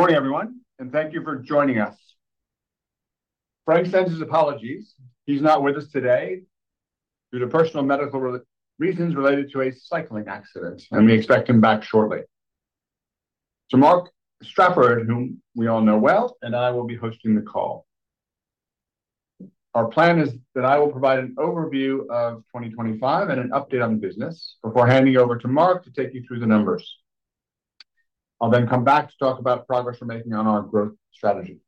Good morning, everyone, and thank you for joining us. Frank sends his apologies. He's not with us today due to personal medical reasons related to a cycling accident, and we expect him back shortly. Mark Strafford, whom we all know well, and I will be hosting the call. Our plan is that I will provide an overview of 2025 and an update on the business before handing over to Mark to take you through the numbers. I'll come back to talk about progress we're making on our growth strategy,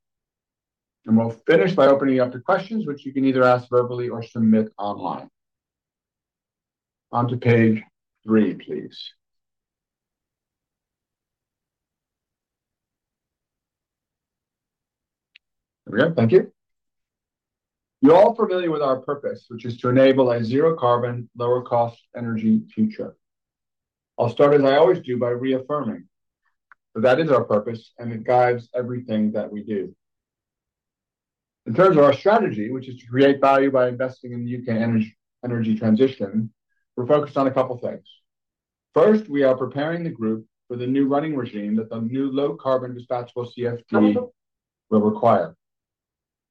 and we'll finish by opening up to questions which you can either ask verbally or submit online. Onto page three, please. There we go. Thank you. You're all familiar with our purpose, which is to enable a zero carbon, lower cost energy future. I'll start, as I always do, by reaffirming, that is our purpose, and it guides everything that we do. In terms of our strategy, which is to create value by investing in the U.K. energy transition, we're focused on a couple of things. First, we are preparing the group for the new running regime that the new low-carbon dispatchable CfD will require.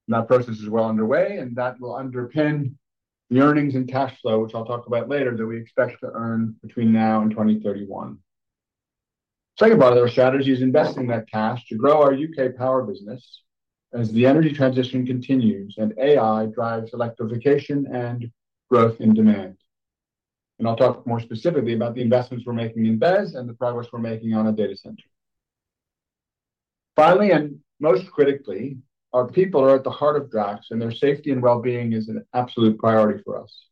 That process is well underway, that will underpin the earnings and cash flow, which I'll talk about later, that we expect to earn between now and 2031. Second part of our strategy is investing that cash to grow our U.K. power business as the energy transition continues and AI drives electrification and growth in demand. I'll talk more specifically about the investments we're making in BECCS and the progress we're making on a data center. Finally, most critically, our people are at the heart of Drax, and their safety and well-being is an absolute priority for us.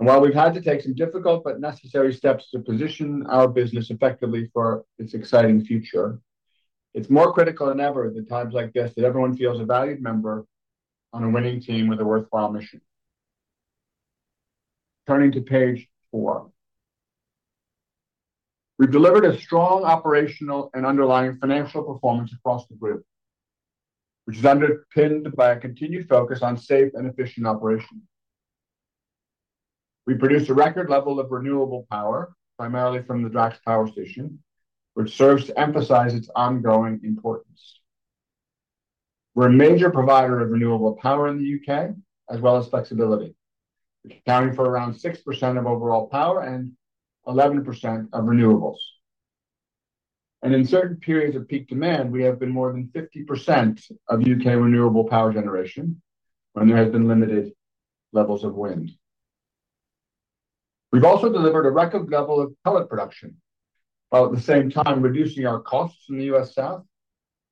While we've had to take some difficult but necessary steps to position our business effectively for its exciting future, it's more critical than ever at the times like this, that everyone feels a valued member on a winning team with a worthwhile mission. Turning to page four. We've delivered a strong operational and underlying financial performance across the group, which is underpinned by a continued focus on safe and efficient operation. We produced a record level of renewable power, primarily from the Drax Power Station, which serves to emphasize its ongoing importance. We're a major provider of renewable power in the U.K., as well as flexibility, accounting for around 6% of overall power and 11% of renewables. In certain periods of peak demand, we have been more than 50% of U.K. renewable power generation when there has been limited levels of wind. We've also delivered a record level of pellet production, while at the same time reducing our costs in the U.S. South,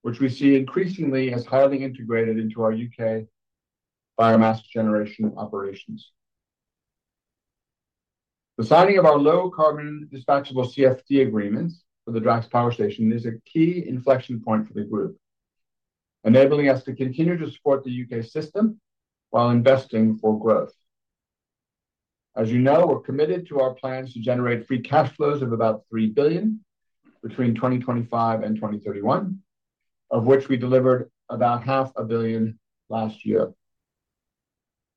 which we see increasingly as highly integrated into our U.K. biomass generation operations. The signing of our low-carbon dispatchable CfD agreements for the Drax Power Station is a key inflection point for the group, enabling us to continue to support the U.K. system while investing for growth. As you know, we're committed to our plans to generate free cash flows of about 3 billion between 2025 and 2031, of which we delivered about half a billion last year.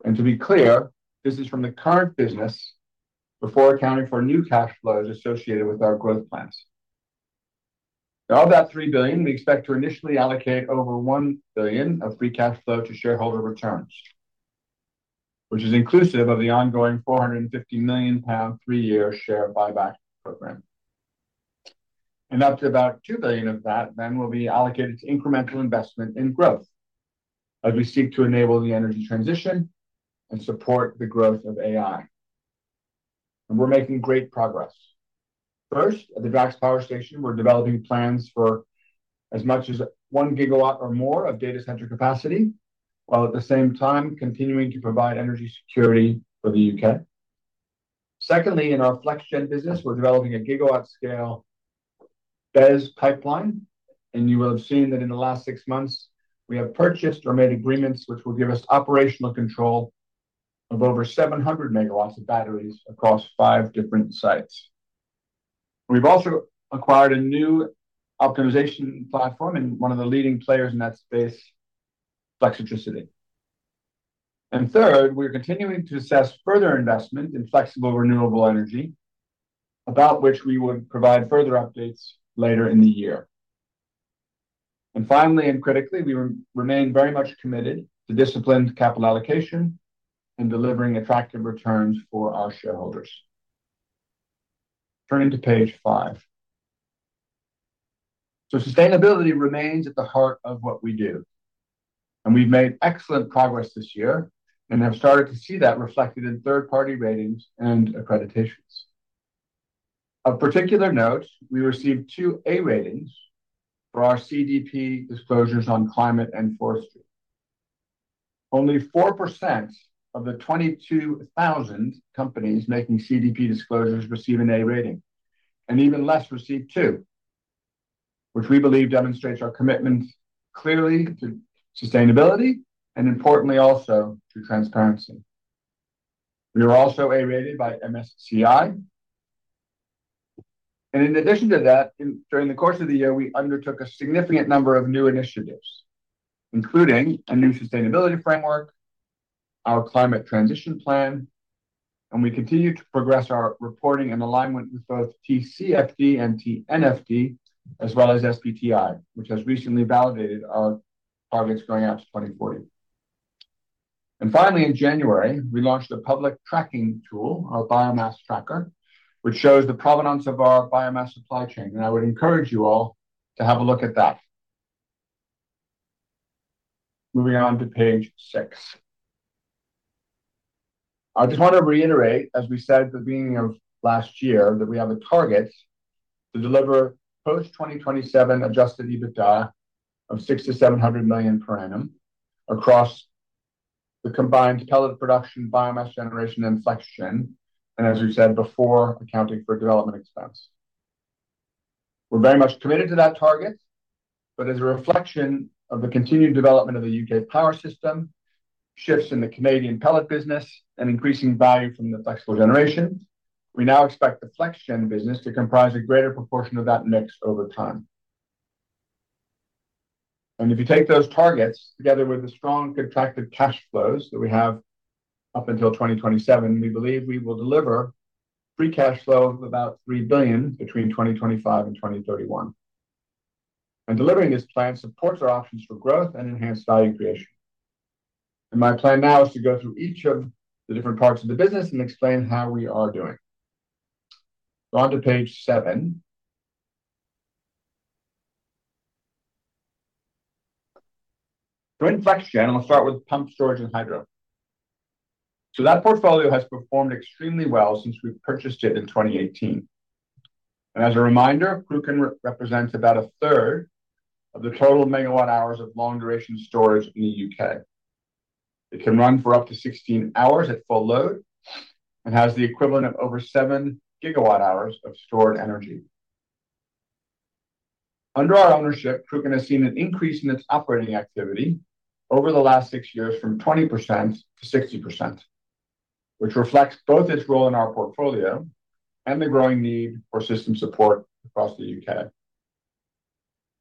To be clear, this is from the current business before accounting for new cash flows associated with our growth plans. Of that 3 billion, we expect to initially allocate over 1 billion of free cash flow to shareholder returns, which is inclusive of the ongoing 450 million pound three-year share buyback program. Up to about 2 billion of that then will be allocated to incremental investment in growth as we seek to enable the energy transition and support the growth of AI. We're making great progress. First, at the Drax Power Station, we're developing plans for as much as 1 GW or more of data center capacity, while at the same time continuing to provide energy security for the U.K. Secondly, in our FlexGen business, we're developing a gigawatt-scale BECCS pipeline, and you will have seen that in the last six months, we have purchased or made agreements which will give us operational control of over 700 MW of batteries across five different sites. We've also acquired a new optimization platform, and one of the leading players in that space, Flexitricity. Third, we're continuing to assess further investment in flexible, renewable energy, about which we would provide further updates later in the year. Finally, and critically, we remain very much committed to disciplined capital allocation and delivering attractive returns for our shareholders. Turning to page five. Sustainability remains at the heart of what we do, and we've made excellent progress this year and have started to see that reflected in third-party ratings and accreditations. Of particular note, we received two A ratings for our CDP disclosures on climate and forestry. Only 4% of the 22,000 companies making CDP disclosures receive an A rating, and even less receive two, which we believe demonstrates our commitment clearly to sustainability and importantly, also to transparency. We are also A-rated by MSCI. In addition to that, during the course of the year, we undertook a significant number of new initiatives, including a new sustainability framework, our climate transition plan. We continue to progress our reporting and alignment with both TCFD and TNFD, as well as SBTi, which has recently validated our targets going out to 2040. Finally, in January, we launched a public tracking tool, our Biomass Tracker, which shows the provenance of our biomass supply chain, and I would encourage you all to have a look at that. Moving on to page six. I just want to reiterate, as we said at the beginning of last year, that we have a target to deliver post-2027 Adjusted EBITDA of 600-700 million per annum across the combined pellet production, biomass generation, and FlexGen, as we said before, accounting for DevEx. We're very much committed to that target, but as a reflection of the continued development of the U.K. power system, shifts in the Canadian pellet business and increasing value from the Flexible Generation, we now expect the FlexGen business to comprise a greater proportion of that mix over time. If you take those targets together with the strong contracted cash flows that we have up until 2027, we believe we will deliver free cash flow of about 3 billion between 2025 and 2031. Delivering this plan supports our options for growth and enhanced value creation. My plan now is to go through each of the different parts of the business and explain how we are doing. Go on to page seven. In FlexGen, I'll start with pumped storage and hydro. That portfolio has performed extremely well since we purchased it in 2018. As a reminder, Cruachan represents about a third of the total megawatt hours of long-duration storage in the U.K. It can run for up to 16 hours at full load and has the equivalent of over 7 GWh of stored energy. Under our ownership, Cruachan has seen an increase in its operating activity over the last six years from 20% to 60%, which reflects both its role in our portfolio and the growing need for system support across the U.K.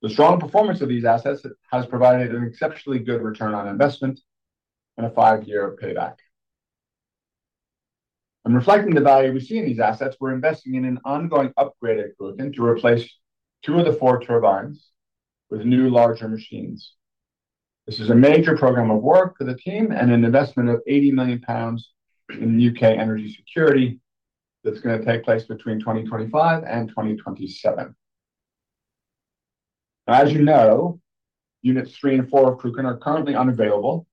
The strong performance of these assets has provided an exceptionally good return on investment and a five-year payback. Reflecting the value we see in these assets, we're investing in an ongoing upgrade at Cruachan to replace two of the four turbines with new, larger machines. This is a major program of work for the team and an investment of 80 million pounds in U.K. energy security that's going to take place between 2025 and 2027. As you know, units three and four of Cruachan are currently unavailable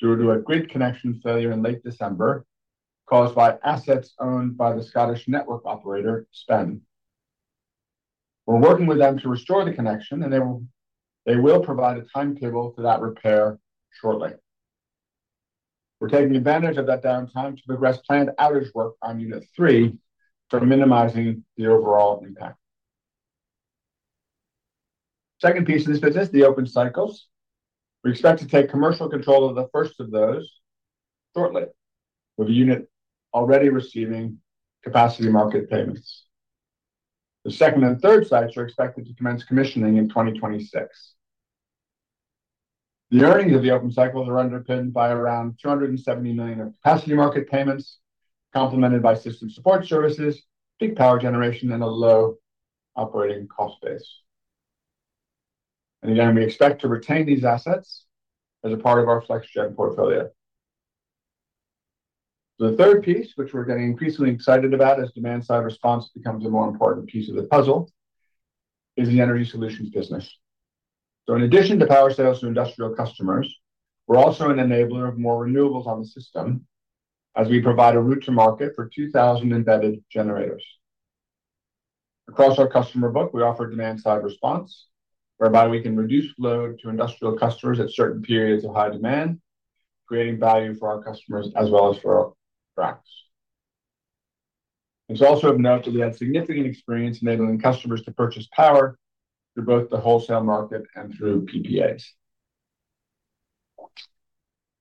due to a grid connection failure in late December, caused by assets owned by the Scottish network operator, SPEN. We're working with them to restore the connection, and they will, they will provide a timetable for that repair shortly. We're taking advantage of that downtime to progress planned outage work on unit three for minimizing the overall impact. Second piece of this business, the open cycles. We expect to take commercial control of the first of those shortly, with a unit already receiving Capacity Market payments. The second and third sites are expected to commence commissioning in 2026. The earnings of the open cycles are underpinned by around 270 million of Capacity Market payments, complemented by system support services, peak power generation and a low operating cost base. Again, we expect to retain these assets as a part of our FlexGen portfolio. The third piece, which we're getting increasingly excited about as demand-side response, becomes a more important piece of the puzzle, is the energy solutions business. In addition to power sales to industrial customers, we're also an enabler of more renewables on the system as we provide a route to market for 2,000 embedded generators. Across our customer book, we offer demand-side response, whereby we can reduce load to industrial customers at certain periods of high demand, creating value for our customers as well as for our Drax. It's also of note that we have significant experience enabling customers to purchase power through both the wholesale market and through PPAs.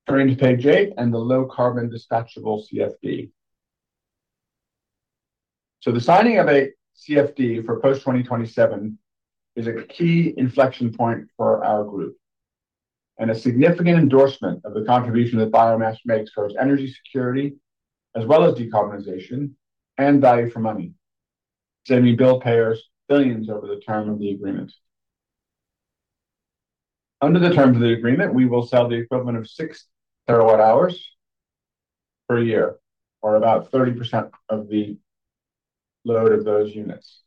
Turning to page eight and the low-carbon dispatchable CfD. The signing of a CfD for post-2027 is a key inflection point for our group and a significant endorsement of the contribution that biomass makes towards energy security, as well as decarbonization and value for money, saving bill payers billions over the term of the agreement. Under the terms of the agreement, we will sell the equivalent of 6 TWh per year, or about 30% of the load of those units.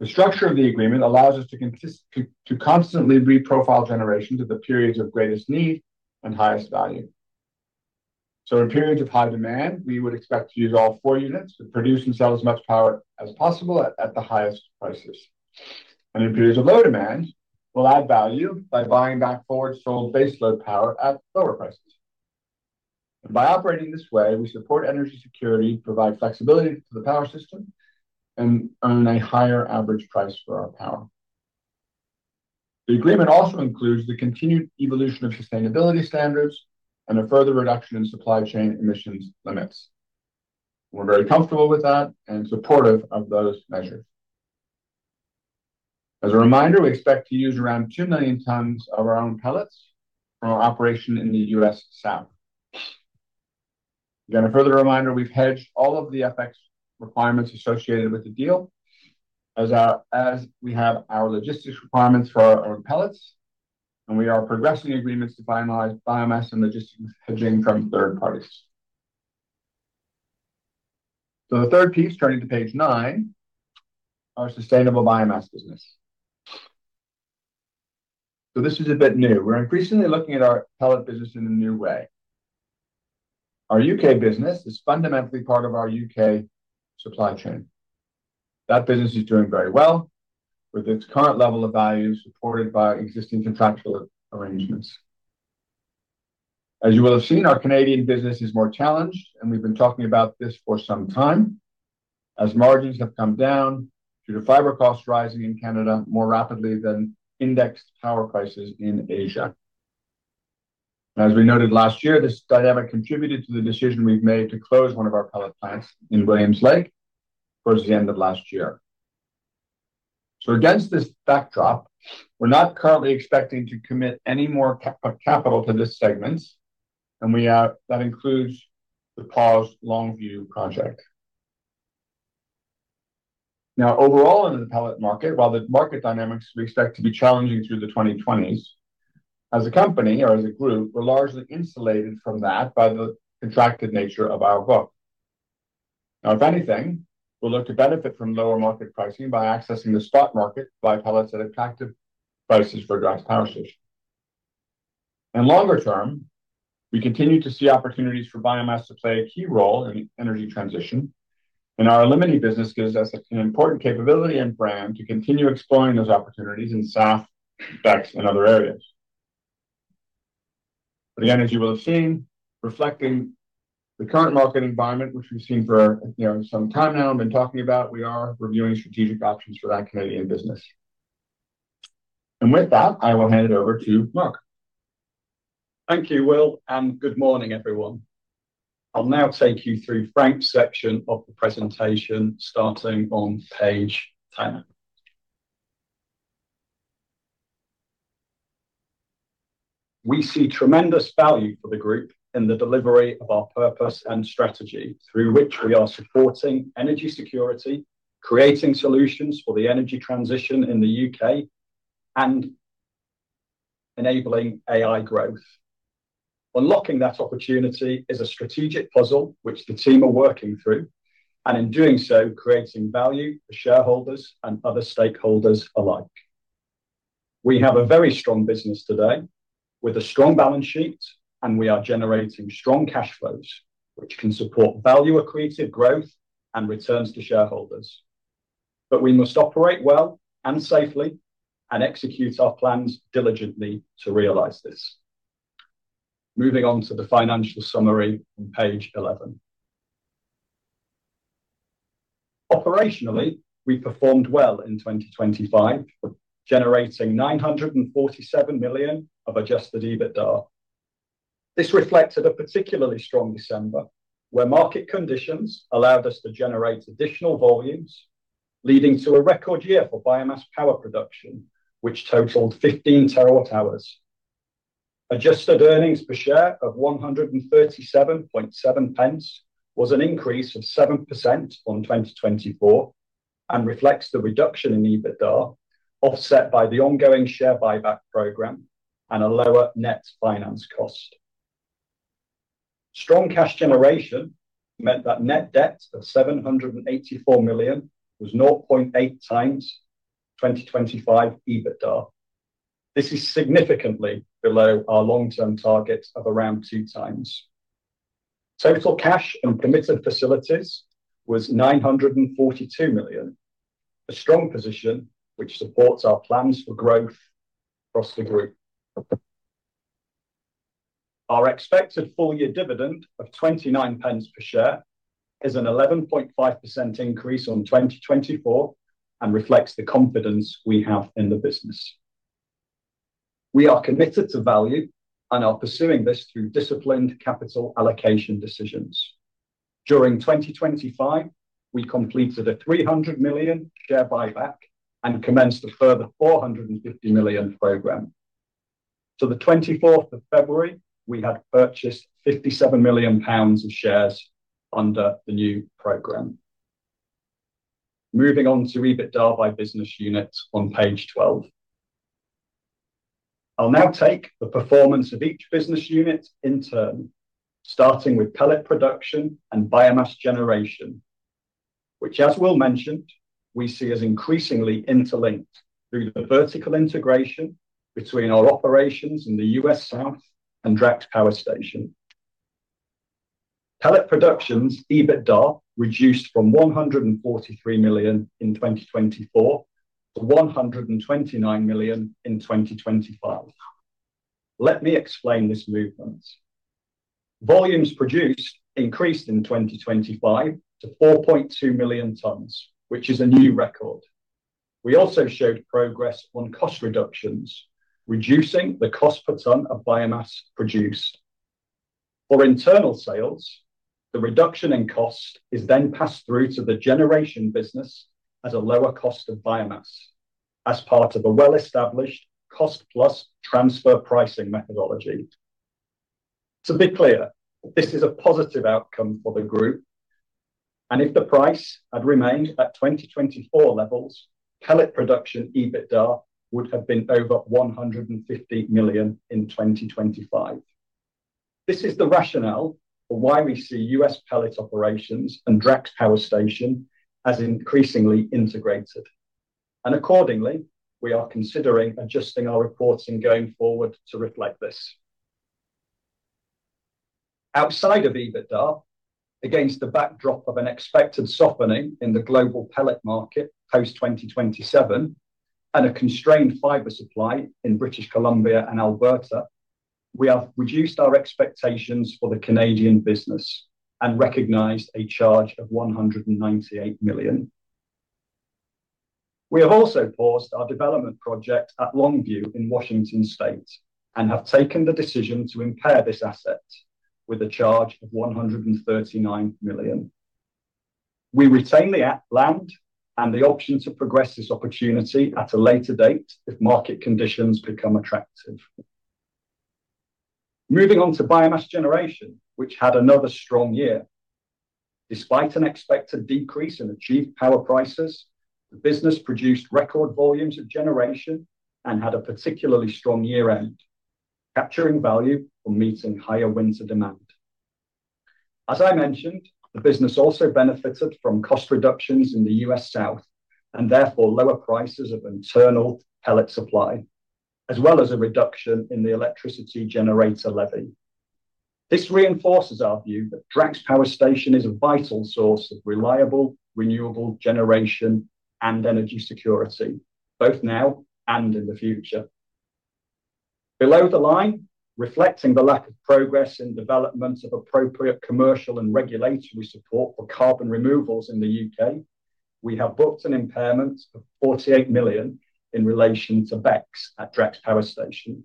The structure of the agreement allows us to constantly reprofile generation to the periods of greatest need and highest value. In periods of high demand, we would expect to use all four units to produce and sell as much power as possible at the highest prices. In periods of low demand, we'll add value by buying back forward sold baseload power at lower prices. By operating this way, we support energy security, provide flexibility to the power system, and earn a higher average price for our power. The agreement also includes the continued evolution of sustainability standards and a further reduction in supply chain emissions limits. We're very comfortable with that and supportive of those measures. As a reminder, we expect to use around 2 million tonnes of our own pellets from our operation in the U.S. South. A further reminder, we've hedged all of the FX requirements associated with the deal, as our, as we have our logistics requirements for our pellets, and we are progressing agreements to finalize biomass and logistics hedging from third parties. The third piece, turning to page nine, our sustainable biomass business. This is a bit new. We're increasingly looking at our pellet business in a new way. Our U.K. business is fundamentally part of our U.K. supply chain. That business is doing very well, with its current level of value supported by existing contractual arrangements. As you will have seen, our Canadian business is more challenged, and we've been talking about this for some time, as margins have come down due to fiber costs rising in Canada more rapidly than indexed power prices in Asia. As we noted last year, this dynamic contributed to the decision we've made to close one of our pellet plants in Williams Lake towards the end of last year. Against this backdrop, we're not currently expecting to commit any more capital to this segment, that includes the paused Longview project. Overall, in the pellet market, while the market dynamics we expect to be challenging through the 2020s, as a company or as a group, we're largely insulated from that by the contracted nature of our book. If anything, we'll look to benefit from lower market pricing by accessing the spot market by pellets at attractive prices for Drax power station. Longer term, we continue to see opportunities for biomass to play a key role in energy transition, and our Pelleting business gives us an important capability and brand to continue exploring those opportunities in U.S. South and other areas. Again, as you will have seen, reflecting the current market environment, which we've seen for, you know, some time now and been talking about, we are reviewing strategic options for that Canadian business. With that, I will hand it over to Mark. Thank you, Will, and good morning, everyone. I'll now take you through Frank's section of the presentation, starting on page 10. We see tremendous value for the group in the delivery of our purpose and strategy, through which we are supporting energy security, creating solutions for the energy transition in the U.K., and enabling AI growth. Unlocking that opportunity is a strategic puzzle which the team are working through, and in doing so, creating value for shareholders and other stakeholders alike. We have a very strong business today with a strong balance sheet, and we are generating strong cash flows, which can support value-accretive growth and returns to shareholders. We must operate well and safely and execute our plans diligently to realize this. Moving on to the financial summary on page 11. Operationally, we performed well in 2025, generating 947 million of Adjusted EBITDA. This reflected a particularly strong December, where market conditions allowed us to generate additional volumes, leading to a record year for biomass power production, which totaled 15 TWh. Adjusted earnings per share of 137.7 was an increase of 7% on 2024 and reflects the reduction in EBITDA, offset by the ongoing share buyback program and a lower net finance cost. Strong cash generation meant that net debt of 784 million was 0.8x 2025 EBITDA. This is significantly below our long-term target of around 2x. Total cash and permitted facilities was 942 million, a strong position which supports our plans for growth across the group. Our expected full-year dividend of 0.29 per share is an 11.5% increase on 2024 and reflects the confidence we have in the business. We are committed to value and are pursuing this through disciplined capital allocation decisions. During 2025, we completed a 300 million share buyback and commenced a further 450 million program. To the 24th of February, we had purchased 57 million pounds of shares under the new program. Moving on to EBITDA by business unit on page 12. I'll now take the performance of each business unit in turn, starting with pellet production and biomass generation, which, as Will mentioned, we see as increasingly interlinked through the vertical integration between our operations in the U.S. South and Drax Power Station. Pellet productions EBITDA reduced from 143 million in 2024 to 129 million in 2025. Let me explain this movement. Volumes produced increased in 2025 to 4.2 million tonnes, which is a new record. We also showed progress on cost reductions, reducing the cost per ton of biomass produced. For internal sales, the reduction in cost is then passed through to the generation business as a lower cost of biomass as part of a well-established cost-plus transfer pricing methodology. To be clear, this is a positive outcome for the group, and if the price had remained at 2024 levels, pellet production EBITDA would have been over 150 million in 2025. This is the rationale for why we see U.S. pellet operations and Drax power station as increasingly integrated. Accordingly, we are considering adjusting our reporting going forward to reflect this. Outside of EBITDA, against the backdrop of an expected softening in the global pellet market post-2027 and a constrained fiber supply in British Columbia and Alberta, we have reduced our expectations for the Canadian business and recognized a charge of 198 million. We have also paused our development project at Longview in Washington State and have taken the decision to impair this asset with a charge of 139 million. We retain the land and the option to progress this opportunity at a later date if market conditions become attractive. Moving on to biomass generation, which had another strong year. Despite an expected decrease in achieved power prices, the business produced record volumes of generation and had a particularly strong year-end, capturing value for meeting higher winter demand. As I mentioned, the business also benefited from cost reductions in the U.S. South and therefore lower prices of internal pellet supply, as well as a reduction in the Electricity Generator Levy. This reinforces our view that Drax Power Station is a vital source of reliable, renewable generation and energy security, both now and in the future. Below the line, reflecting the lack of progress in development of appropriate commercial and regulatory support for carbon removals in the U.K., we have booked an impairment of 48 million in relation to BECCS at Drax Power Station.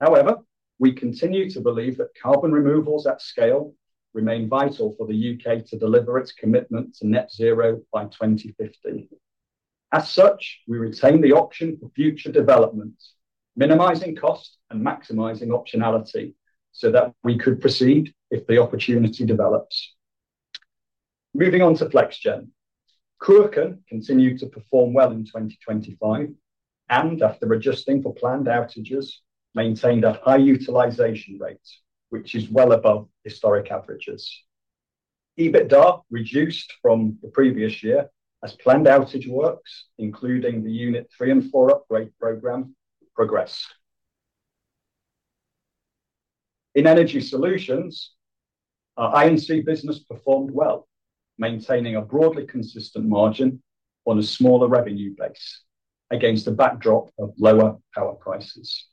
However, we continue to believe that carbon removals at scale remain vital for the U.K. to deliver its commitment to net zero by 2050. As such, we retain the option for future developments, minimizing costs and maximizing optionality so that we could proceed if the opportunity develops. Moving on to FlexGen. Cruachan continued to perform well in 2025, and after adjusting for planned outages, maintained a high utilization rate, which is well above historic averages. EBITDA reduced from the previous year as planned outage works, including the unit three and four upgrade program, progressed. In energy solutions, our I&C business performed well, maintaining a broadly consistent margin on a smaller revenue base against a backdrop of lower power prices.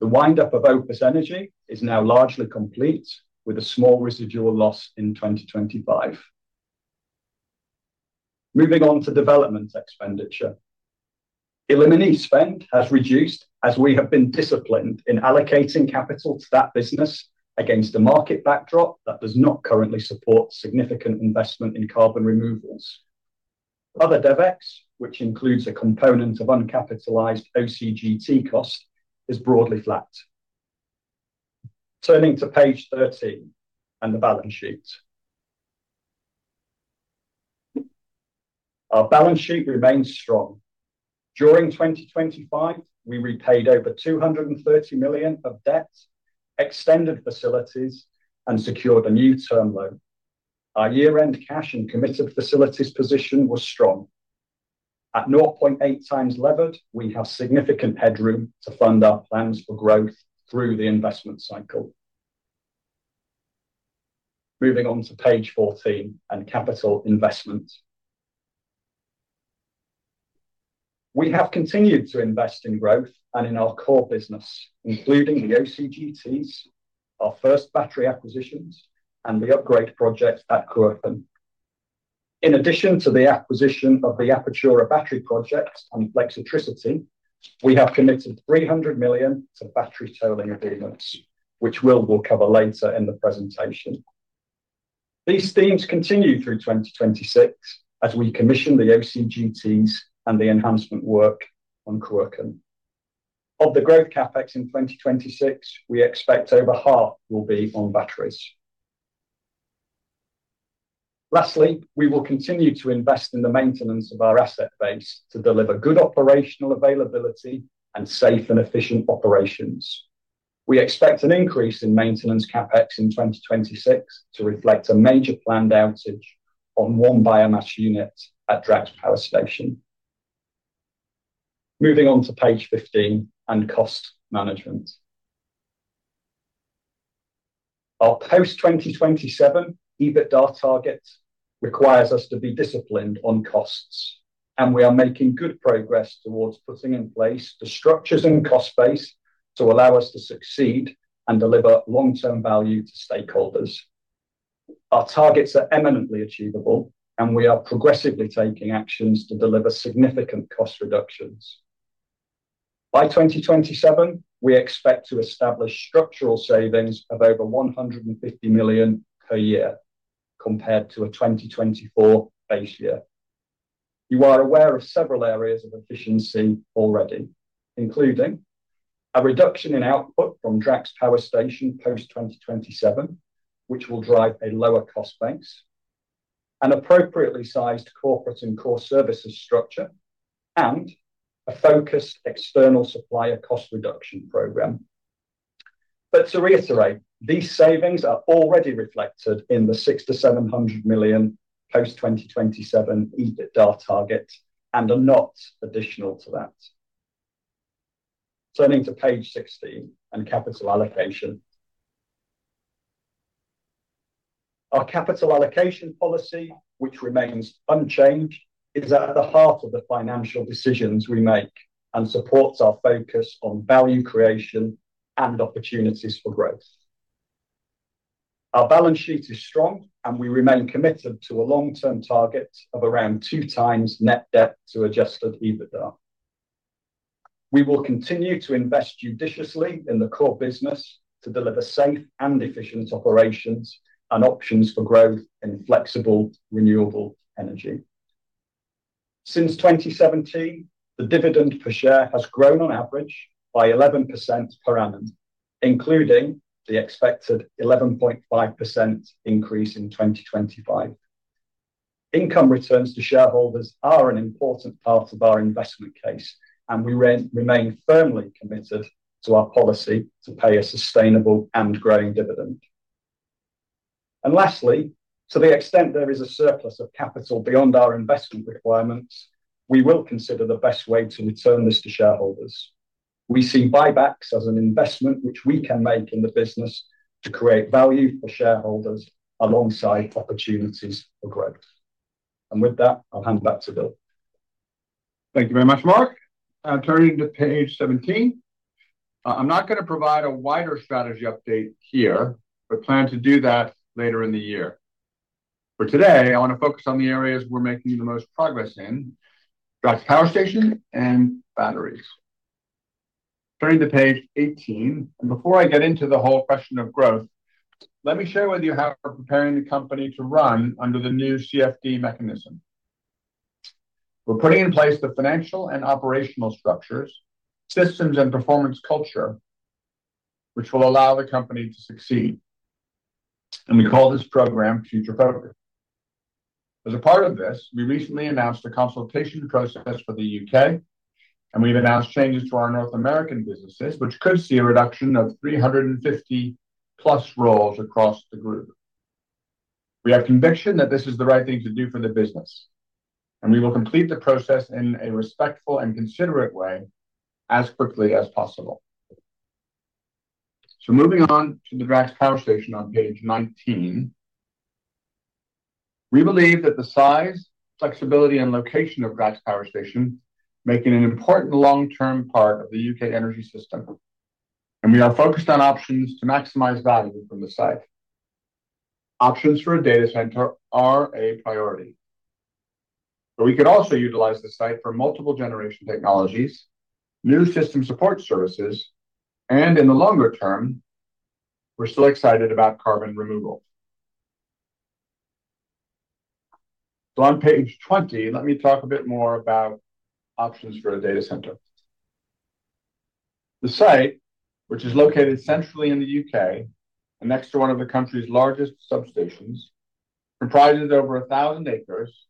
The wind-up of Opus Energy is now largely complete, with a small residual loss in 2025. Moving on to development expenditure. Elimini spend has reduced as we have been disciplined in allocating capital to that business against a market backdrop that does not currently support significant investment in carbon removals. Other DevEx, which includes a component of uncapitalized OCGT cost, is broadly flat. Turning to page 13 and the balance sheet. Our balance sheet remains strong. During 2025, we repaid over 230 million of debt, extended facilities and secured a new term loan. Our year-end cash and committed facilities position was strong. At 0.8x levered, we have significant headroom to fund our plans for growth through the investment cycle. Moving on to page 14 and capital investment. We have continued to invest in growth and in our core business, including the OCGTs, our first battery acquisitions and the upgrade projects at Cruachan. In addition to the acquisition of the Apatura battery projects and Flexitricity, we have committed 300 million to battery tolling agreements, which Will will cover later in the presentation. These themes continue through 2026 as we commission the OCGTs and the enhancement work on Cruachan. Of the growth CapEx in 2026, we expect over half will be on batteries. Lastly, we will continue to invest in the maintenance of our asset base to deliver good operational availability and safe and efficient operations. We expect an increase in maintenance CapEx in 2026 to reflect a major planned outage on one biomass unit at Drax Power Station. Moving on to page 15 and cost management. Our post-2027 EBITDA target requires us to be disciplined on costs, and we are making good progress towards putting in place the structures and cost base to allow us to succeed and deliver long-term value to stakeholders. Our targets are eminently achievable, and we are progressively taking actions to deliver significant cost reductions. By 2027, we expect to establish structural savings of over 150 million per year, compared to a 2024 base year. You are aware of several areas of efficiency already, including a reduction in output from Drax Power Station post-2027, which will drive a lower cost base, an appropriately sized corporate and core services structure, and a focused external supplier cost reduction program. To reiterate, these savings are already reflected in the 600 million-700 million post-2027 EBITDA target and are not additional to that. Turning to page 16 on capital allocation. Our capital allocation policy, which remains unchanged, is at the heart of the financial decisions we make and supports our focus on value creation and opportunities for growth. Our balance sheet is strong, and we remain committed to a long-term target of around 2x net debt to Adjusted EBITDA. We will continue to invest judiciously in the core business to deliver safe and efficient operations and options for growth in flexible, renewable energy. Since 2017, the dividend per share has grown on average by 11% per annum, including the expected 11.5% increase in 2025. Income returns to shareholders are an important part of our investment case, we remain firmly committed to our policy to pay a sustainable and growing dividend. Lastly, to the extent there is a surplus of capital beyond our investment requirements, we will consider the best way to return this to shareholders. We see buybacks as an investment which we can make in the business to create value for shareholders, alongside opportunities for growth. With that, I'll hand back to Bill. Thank you very much, Mark. Turning to page 17. I'm not going to provide a wider strategy update here, but plan to do that later in the year. For today, I want to focus on the areas we're making the most progress in, Drax Power Station and batteries. Turning to page 18, before I get into the whole question of growth, let me share with you how we're preparing the company to run under the new CfD mechanism. We're putting in place the financial and operational structures, systems, and performance culture, which will allow the company to succeed. We call this program Future Focused. As a part of this, we recently announced a consultation process for the U.K., we've announced changes to our North American businesses, which could see a reduction of 350-plus roles across the group. We have conviction that this is the right thing to do for the business, and we will complete the process in a respectful and considerate way, as quickly as possible. Moving on to the Drax Power Station on page 19. We believe that the size, flexibility, and location of Drax Power Station make it an important long-term part of the U.K. energy system, and we are focused on options to maximize value from the site. Options for a data center are a priority, but we could also utilize the site for multiple generation technologies, new system support services, and in the longer term, we're still excited about carbon removal. On page 20, let me talk a bit more about options for a data center. The site, which is located centrally in the U.K. and next to one of the country's largest substations, comprises over 1,000 acres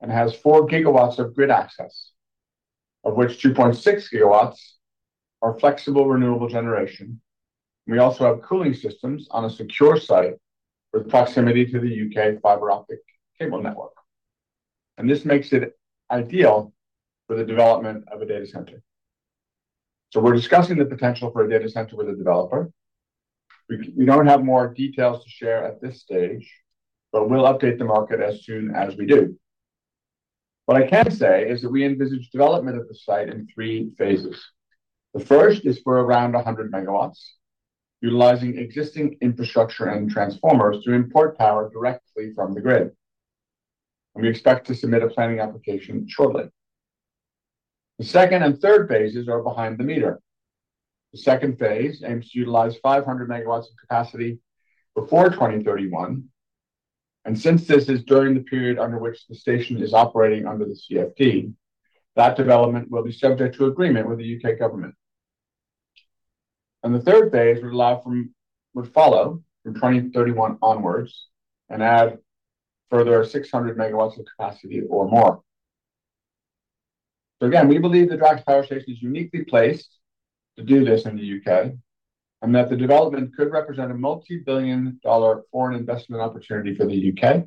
and has 4 GW of grid access, of which 2.6 GW are flexible, renewable generation. We also have cooling systems on a secure site with proximity to the U.K. fiber optic cable network. This makes it ideal for the development of a data center. We're discussing the potential for a data center with a developer. We don't have more details to share at this stage. We'll update the market as soon as we do. What I can say is that we envisage development of the site in three phases. The first is for around 100 MW, utilizing existing infrastructure and transformers to import power directly from the grid. We expect to submit a planning application shortly. The second and third phases are behind the meter. The second phase aims to utilize 500 MW of capacity before 2031. Since this is during the period under which the station is operating under the CfD, that development will be subject to agreement with the U.K. government. The third phase would follow from 2031 onwards and add further 600 MW of capacity or more. Again, we believe the Drax Power Station is uniquely placed to do this in the U.K., and that the development could represent a multi-billion-dollar foreign investment opportunity for the U.K.,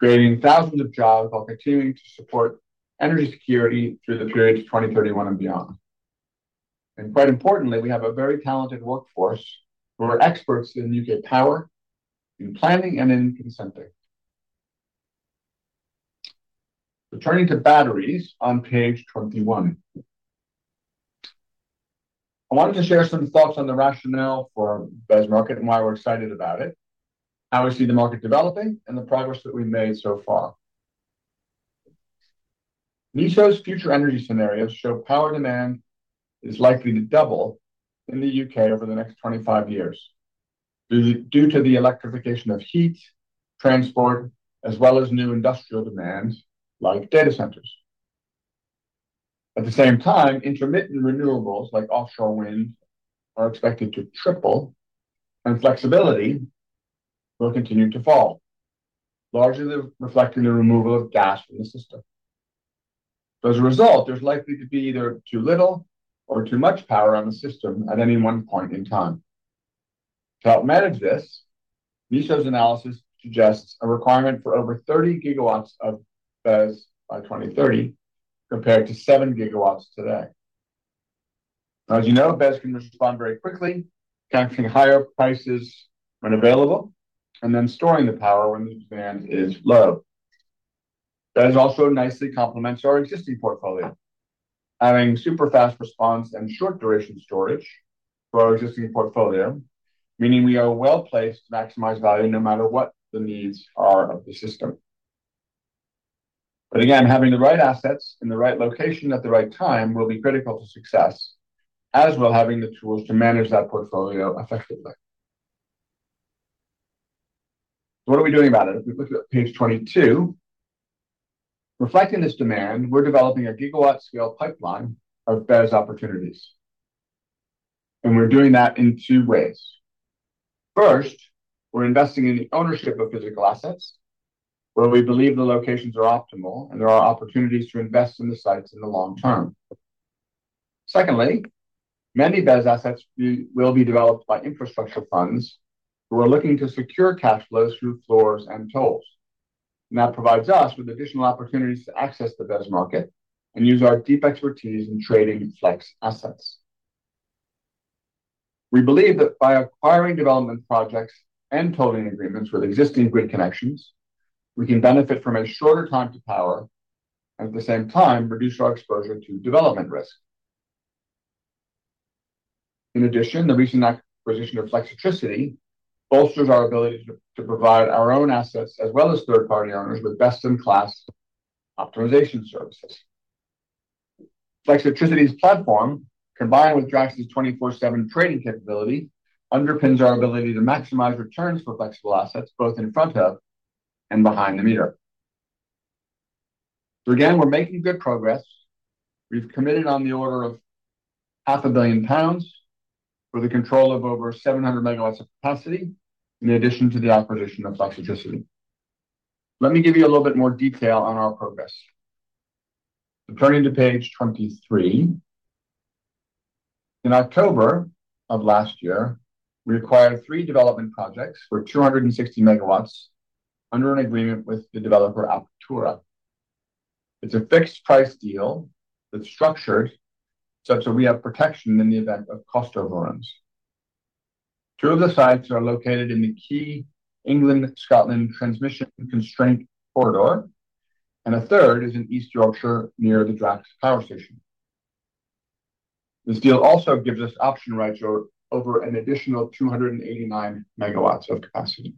creating thousands of jobs while continuing to support energy security through the period to 2031 and beyond. Quite importantly, we have a very talented workforce who are experts in U.K. power, in planning, and in consenting. Turning to batteries on page 21. I wanted to share some thoughts on the rationale for BESS market and why we're excited about it, how we see the market developing, and the progress that we've made so far. NESO's future energy scenarios show power demand is likely to double in the U.K. over the next 25 years, due to the electrification of heat, transport, as well as new industrial demands like data centers. At the same time, intermittent renewables, like offshore wind, are expected to triple, and flexibility will continue to fall, largely reflecting the removal of gas from the system. As a result, there's likely to be either too little or too much power on the system at any one point in time. To help manage this, NESO's analysis suggests a requirement for over 30 GW of BESS by 2030, compared to 7 GW today. As you know, BESS can respond very quickly, capturing higher prices when available, and then storing the power when the demand is low. BESS also nicely complements our existing portfolio, adding super fast response and short duration storage to our existing portfolio, meaning we are well-placed to maximize value no matter what the needs are of the system. Again, having the right assets in the right location at the right time will be critical to success, as well having the tools to manage that portfolio effectively. What are we doing about it? If we look at page 22, reflecting this demand, we're developing a gigawatt scale pipeline of BESS opportunities, and we're doing that in two ways. First, we're investing in the ownership of physical assets, where we believe the locations are optimal and there are opportunities to invest in the sites in the long term. Many BESS assets will be developed by infrastructure funds who are looking to secure cash flows through floors and tolls, and that provides us with additional opportunities to access the BESS market and use our deep expertise in trading flex assets. We believe that by acquiring development projects and tolling agreements with existing grid connections, we can benefit from a shorter time to power, at the same time, reduce our exposure to development risk. The recent acquisition of Flexitricity bolsters our ability to provide our own assets, as well as third-party owners, with best-in-class optimization services. Flexitricity's platform, combined with Drax's 24/7 trading capability, underpins our ability to maximize returns for flexible assets, both in front of and behind the meter. We're making good progress. We've committed on the order of half a billion pounds for the control of over 700 MW of capacity, in addition to the acquisition of Flexitricity. Let me give you a little bit more detail on our progress. Turning to page 23, in October of last year, we acquired three development projects for 260 MW under an agreement with the developer, Apatura. It's a fixed price deal that's structured such that we have protection in the event of cost overruns. Two of the sites are located in the key England, Scotland transmission constraint corridor, and a third is in East Yorkshire, near the Drax power station. This deal also gives us option rights over an additional 289 MW of capacity.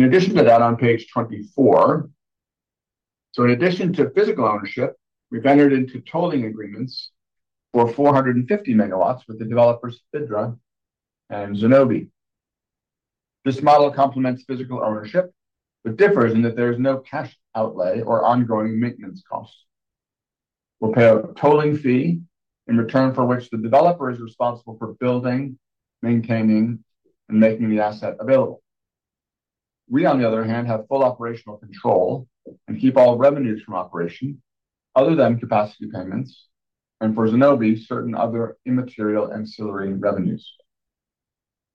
In addition to that, on page 24, in addition to physical ownership, we've entered into tolling agreements for 450 MW with the developers, Fidra and Zenobē. This model complements physical ownership, but differs in that there is no cash outlay or ongoing maintenance costs. We'll pay a tolling fee, in return for which the developer is responsible for building, maintaining, and making the asset available. We, on the other hand, have full operational control and keep all revenues from operation, other than capacity payments, and for Zenobē, certain other immaterial ancillary revenues.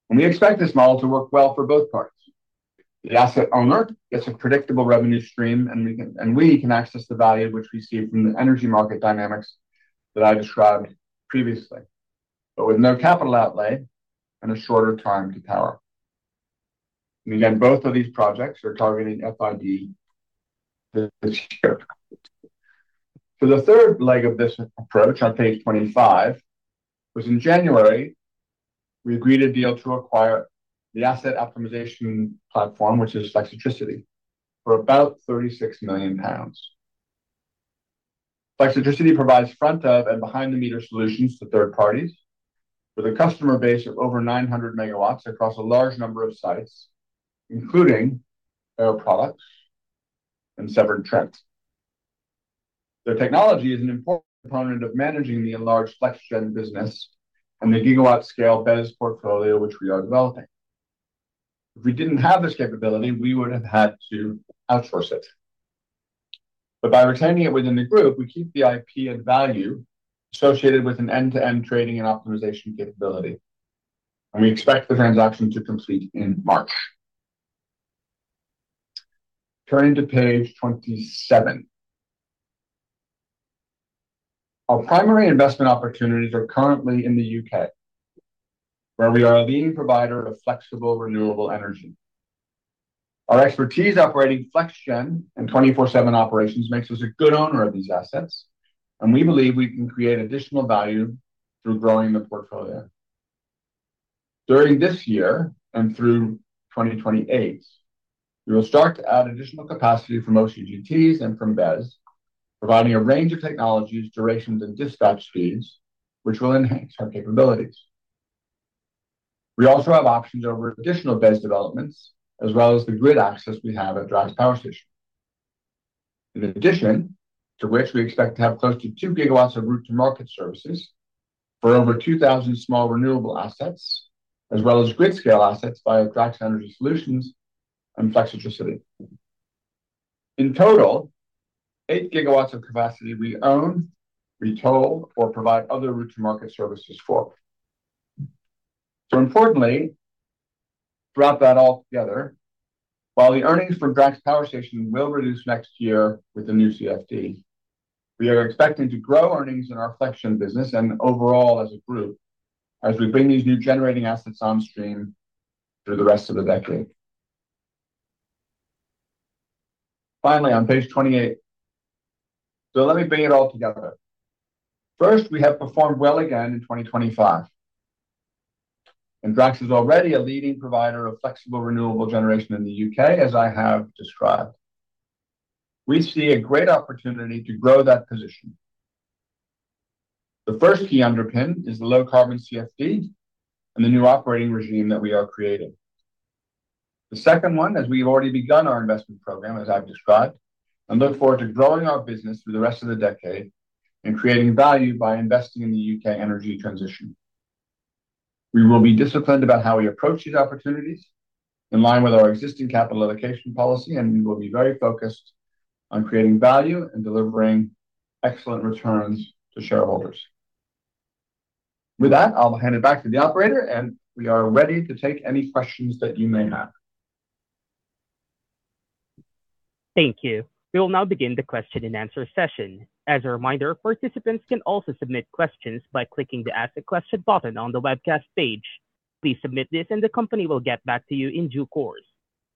We expect this model to work well for both parties. The asset owner gets a predictable revenue stream, and we can access the value of which we see from the energy market dynamics that I described previously, but with no capital outlay and a shorter time to power. Again, both of these projects are targeting FID this year. The third leg of this approach, on page 25, was in January, we agreed a deal to acquire the asset optimization platform, which is Flexitricity, for about 36 million pounds. Flexitricity provides front of and behind the meter solutions to third parties, with a customer base of over 900 MW across a large number of sites, including Air Products and Severn Trent. Their technology is an important component of managing the enlarged FlexGen business and the gigawatt-scale BESS portfolio, which we are developing. If we didn't have this capability, we would have had to outsource it. By retaining it within the group, we keep the IP and value associated with an end-to-end trading and optimization capability, and we expect the transaction to complete in March. Turning to page 27. Our primary investment opportunities are currently in the U.K., where we are a leading provider of flexible, renewable energy. Our expertise operating FlexGen and 24/7 operations makes us a good owner of these assets, and we believe we can create additional value through growing the portfolio. During this year and through 2028, we will start to add additional capacity from OCGTs and from BESS, providing a range of technologies, durations, and dispatch speeds, which will enhance our capabilities. We also have options over additional BESS developments, as well as the grid access we have at Drax Power Station. In addition to which, we expect to have close to 2 GW of route to market services for over 2,000 small renewable assets, as well as grid-scale assets via Drax Energy Solutions and Flexitricity. In total, 8 GW of capacity we own, we toll or provide other route to market services for. Importantly, to wrap that all together, while the earnings from Drax Power Station will reduce next year with the new CfD, we are expecting to grow earnings in our FlexGen business and overall as a group, as we bring these new generating assets on stream through the rest of the decade. Finally, on page 28. Let me bring it all together. First, we have performed well again in 2025, Drax is already a leading provider of flexible, renewable generation in the U.K., as I have described. We see a great opportunity to grow that position. The first key underpin is the low-carbon CfD and the new operating regime that we are creating. The second one, as we've already begun our investment program, as I've described, and look forward to growing our business through the rest of the decade and creating value by investing in the U.K. energy transition. We will be disciplined about how we approach these opportunities in line with our existing capital allocation policy, and we will be very focused on creating value and delivering excellent returns to shareholders. With that, I'll hand it back to the operator, and we are ready to take any questions that you may have. Thank you. We will now begin the question and answer session. As a reminder, participants can also submit questions by clicking the Ask a Question button on the webcast page. Please submit this and the company will get back to you in due course.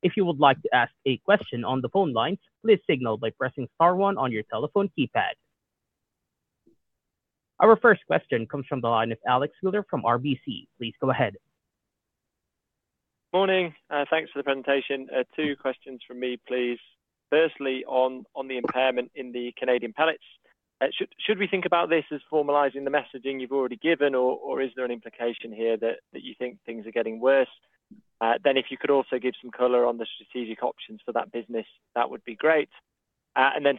If you would like to ask a question on the phone lines, please signal by pressing star one on your telephone keypad. Our first question comes from the line of Alexander Wheeler from RBC. Please go ahead. Morning, thanks for the presentation. Two questions from me, please. Firstly, on the impairment in the Canadian pellets. Should we think about this as formalizing the messaging you've already given, or is there an implication here that you think things are getting worse? If you could also give some color on the strategic options for that business, that would be great.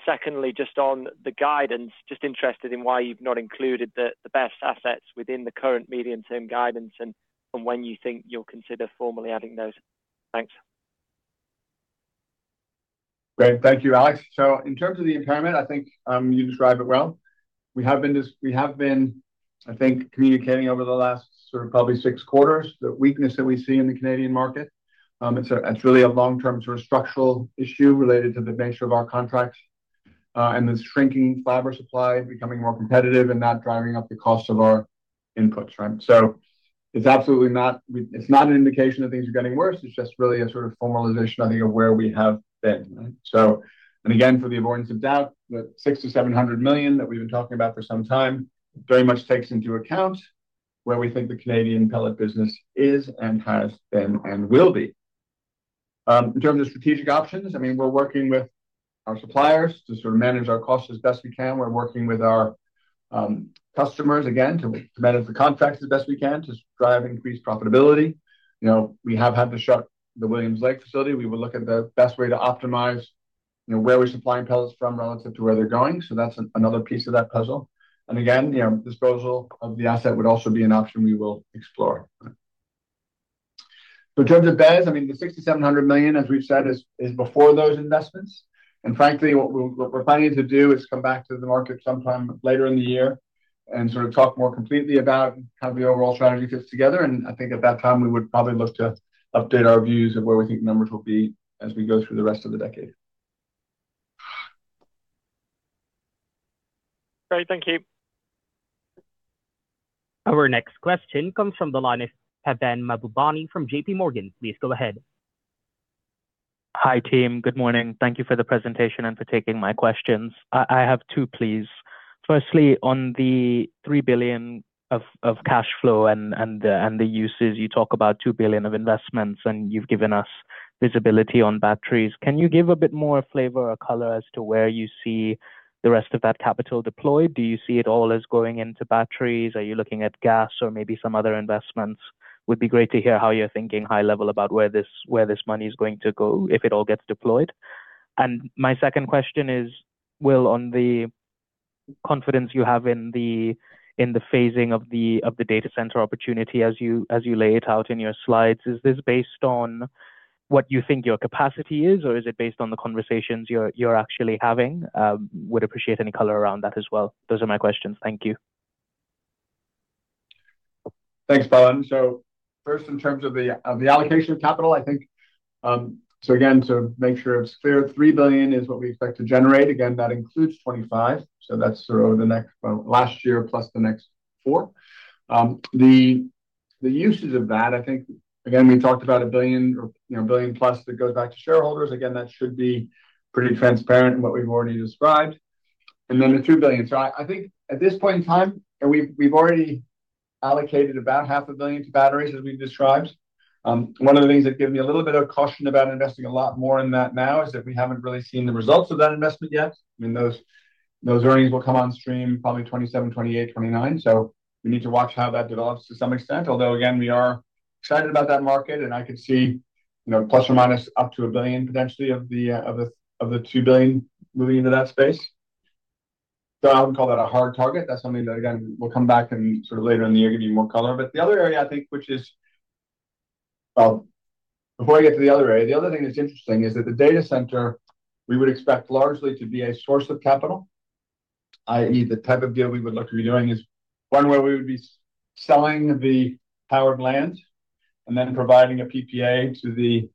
Secondly, just on the guidance, just interested in why you've not included the BESS assets within the current medium-term guidance and when you think you'll consider formally adding those. Thanks. Great. Thank you, Alex. In terms of the impairment, I think, you describe it well. We have been, I think, communicating over the last sort of probably six quarters, the weakness that we see in the Canadian market. It's a, it's really a long-term sort of structural issue related to the nature of our contracts, and the shrinking fiber supply becoming more competitive and not driving up the cost of our inputs, right? It's absolutely not. It's not an indication that things are getting worse. It's just really a sort of formalization, I think, of where we have been, right? Again, for the avoidance of doubt, the 600 million-700 million that we've been talking about for some time very much takes into account where we think the Canadian pellet business is and has been and will be. In terms of strategic options, I mean, we're working with our suppliers to sort of manage our costs as best we can. We're working with our customers again, to manage the contracts as best we can to drive increased profitability. You know, we have had to shut the Williams Lake facility. We will look at the best way to optimize, you know, where we're supplying pellets from relative to where they're going. That's another piece of that puzzle. Again, you know, disposal of the asset would also be an option we will explore, right. In terms of BESS, I mean, the 60 million-700 million, as we've said, is before those investments. Frankly, what we're planning to do is come back to the market sometime later in the year and sort of talk more completely about how the overall strategy fits together. I think at that time, we would probably look to update our views of where we think the numbers will be as we go through the rest of the decade. Great. Thank you. Our next question comes from the line of Pavan Mahbubani from JPMorgan. Please go ahead. Hi, team. Good morning. Thank you for the presentation and for taking my questions. I have two, please. Firstly, on the 3 billion of cash flow and the uses, you talk about 2 billion of investments, and you've given us visibility on batteries. Can you give a bit more flavor or color as to where you see the rest of that capital deployed? Do you see it all as going into batteries? Are you looking at gas or maybe some other investments? Would be great to hear how you're thinking high level about where this money is going to go, if it all gets deployed. My second question is, Will, on the confidence you have in the, in the phasing of the, of the data center opportunity as you, as you lay it out in your slides, is this based on what you think your capacity is, or is it based on the conversations you're actually having? Would appreciate any color around that as well. Those are my questions. Thank you. Thanks, Pavan. First, in terms of the allocation of capital, I think, again, to make sure it's clear, 3 billion is what we expect to generate. Again, that includes 2025, so that's over the next, well, last year, plus the next four. The uses of that, I think, again, we talked about 1 billion or, you know, 1 billion+ that goes back to shareholders. Again, that should be pretty transparent in what we've already described. Then the 2 billion. I think at this point in time, we've already allocated about 500 million to batteries, as we've described. One of the things that give me a little bit of caution about investing a lot more in that now is that we haven't really seen the results of that investment yet. I mean, those earnings will come on stream probably 2027, 2028, 2029. We need to watch how that develops to some extent, although again, we are excited about that market and I could see, you know, ±1 billion potentially of the of the 2 billion moving into that space. I would call that a hard target. That's something that, again, we'll come back and sort of later in the year give you more color. The other area, I think, which is—before I get to the other area, the other thing that's interesting is that the data center, we would expect largely to be a source of capital, i.e., the type of deal we would look to be doing is one where we would be selling the powered land and then providing a PPA to the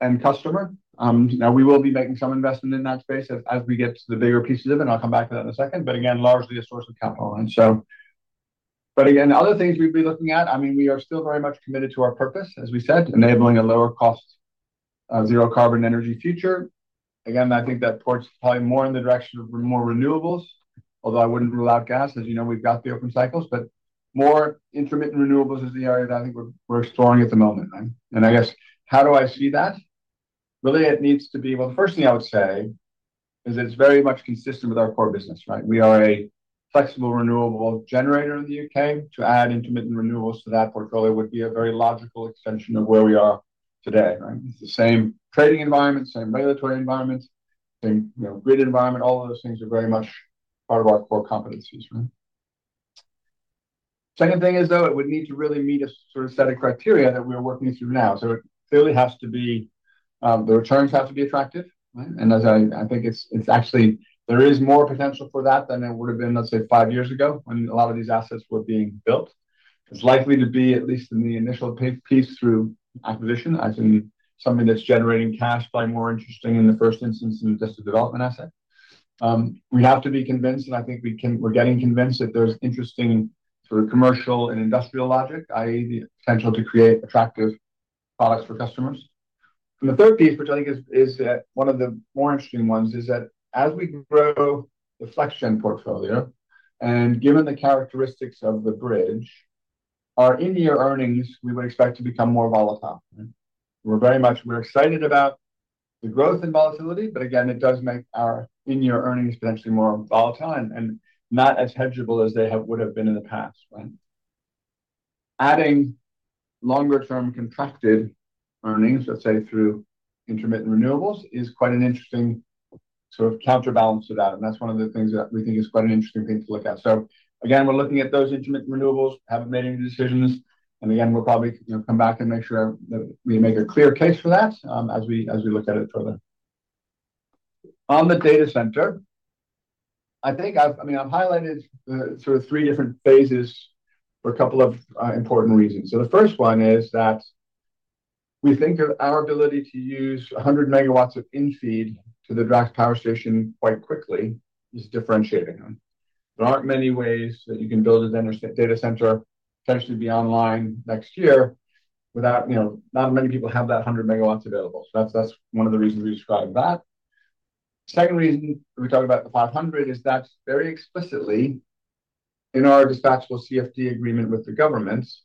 end customer. Now, we will be making some investment in that space as we get to the bigger pieces of it, and I'll come back to that in a second. Again, largely a source of capital. Again, other things we'd be looking at, I mean, we are still very much committed to our purpose, as we said, enabling a lower cost, zero carbon energy future. I think that ports probably more in the direction of more renewables, although I wouldn't rule out gas. As you know, we've got the open cycles, but more intermittent renewables is the area that I think we're exploring at the moment, right? I guess, how do I see that? Well, the first thing I would say is it's very much consistent with our core business, right? We are a flexible renewable generator in the U.K. To add intermittent renewables to that portfolio would be a very logical extension of where we are today, right? It's the same trading environment, same regulatory environment, same, you know, grid environment. All of those things are very much part of our core competencies, right? Second thing is, though, it would need to really meet a sort of set of criteria that we are working through now. It clearly has to be, the returns have to be attractive, right? As I think it's actually there is more potential for that than it would have been, let's say, five years ago, when a lot of these assets were being built. It's likely to be, at least in the initial piece, through acquisition, as in something that's generating cash, probably more interesting in the first instance than just a development asset. We have to be convinced, and I think we're getting convinced that there's interesting sort of Industrial and Commercial logic, i.e., the potential to create attractive products for customers. The third piece, which I think is one of the more interesting ones, is that as we grow the FlexGen portfolio, and given the characteristics of the bridge, our in-year earnings, we would expect to become more volatile, right? We're very much, we're excited about the growth in volatility. Again, it does make our in-year earnings potentially more volatile and not as hedgeable as they would have been in the past, right? Adding longer-term contracted earnings, let's say, through intermittent renewables, is quite an interesting sort of counterbalance to that. That's one of the things that we think is quite an interesting thing to look at. Again, we're looking at those intermittent renewables. Haven't made any decisions. Again, we'll probably, you know, come back and make sure that we make a clear case for that as we look at it further. On the data center, I think I mean, I've highlighted the sort of three different phases for a couple of important reasons. The first one is that we think of our ability to use 100 MW of in-feed to the Drax Power Station quite quickly is differentiating them. There aren't many ways that you can build a data center, potentially be online next year without, you know. Not many people have that 100 MW available. That's one of the reasons we described that. Second reason we talked about the 500 is that very explicitly in our dispatchable CfD agreement with the governments,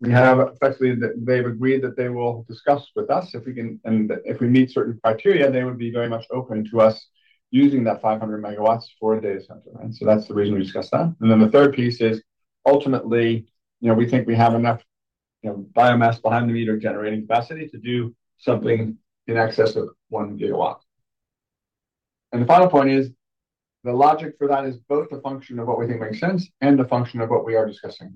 we have effectively, that they've agreed that they will discuss with us if we can, and if we meet certain criteria, they would be very much open to us using that 500 MW for a data center, right? That's the reason we discussed that. The third piece is, ultimately, you know, we think we have enough, you know, biomass behind the meter generating capacity to do something in excess of 1 GW. The final point is, the logic for that is both a function of what we think makes sense and a function of what we are discussing,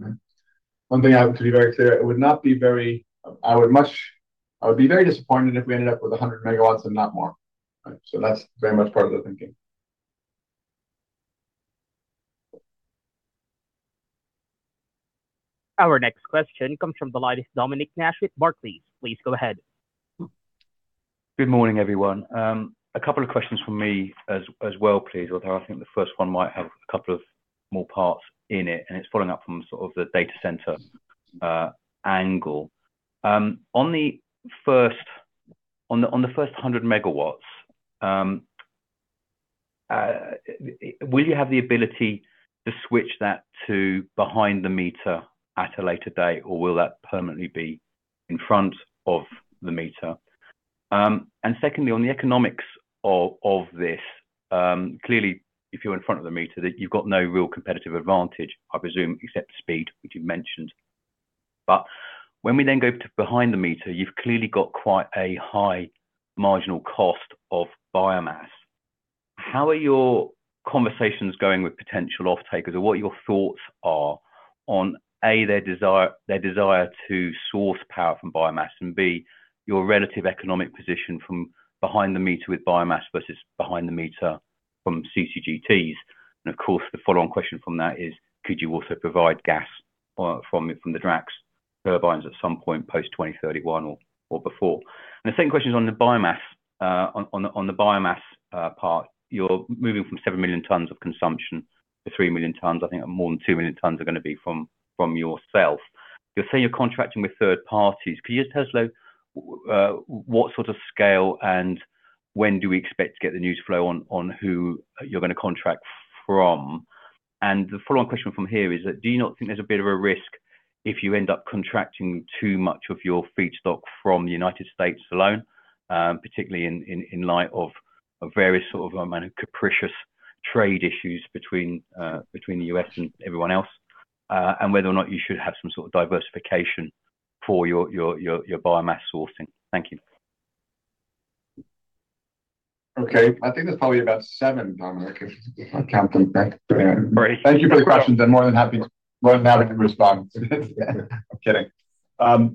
right? One thing I have to be very clear, it would not be very, I would be very disappointed if we ended up with 100 MW and not more, right? That's very much part of the thinking. Our next question comes from the line of Dominic Nash with Barclays. Please go ahead. Good morning, everyone. A couple of questions from me as well, please, although I think the first one might have a couple of more parts in it's following up from sort of the data center angle. On the first 100 MW, will you have the ability to switch that to behind the meter at a later date, or will that permanently be in front of the meter? Secondly, on the economics of this, clearly, if you're in front of the meter, that you've got no real competitive advantage, I presume, except speed, which you've mentioned. When we then go to behind the meter, you've clearly got quite a high marginal cost of biomass. How are your conversations going with potential off-takers, or what your thoughts are on, A, their desire to source power from biomass, and B, your relative economic position from behind the meter with biomass versus behind the meter from CCGTs? Of course, the follow-on question from that is, could you also provide gas from the Drax turbines at some point post-2031 or before? The second question is on the biomass. On the biomass part, you're moving from 7 million tonnes of consumption. The 3 million tonnes, I think more than 2 million tonnes are gonna be from yourself. You're saying you're contracting with third parties. Can you just tell us, though, what sort of scale and when do we expect to get the news flow on who you're gonna contract from? The follow-on question from here is that, do you not think there's a bit of a risk if you end up contracting too much of your feedstock from the United States alone, particularly in light of various sort of amount of capricious trade issues between the U.S. and everyone else? Whether or not you should have some sort of diversification for your biomass sourcing. Thank you. Okay, I think there's probably about seven, Dominic, if I count them back. Right. Thank you for the questions. I'm more than happy to respond. I'm kidding. On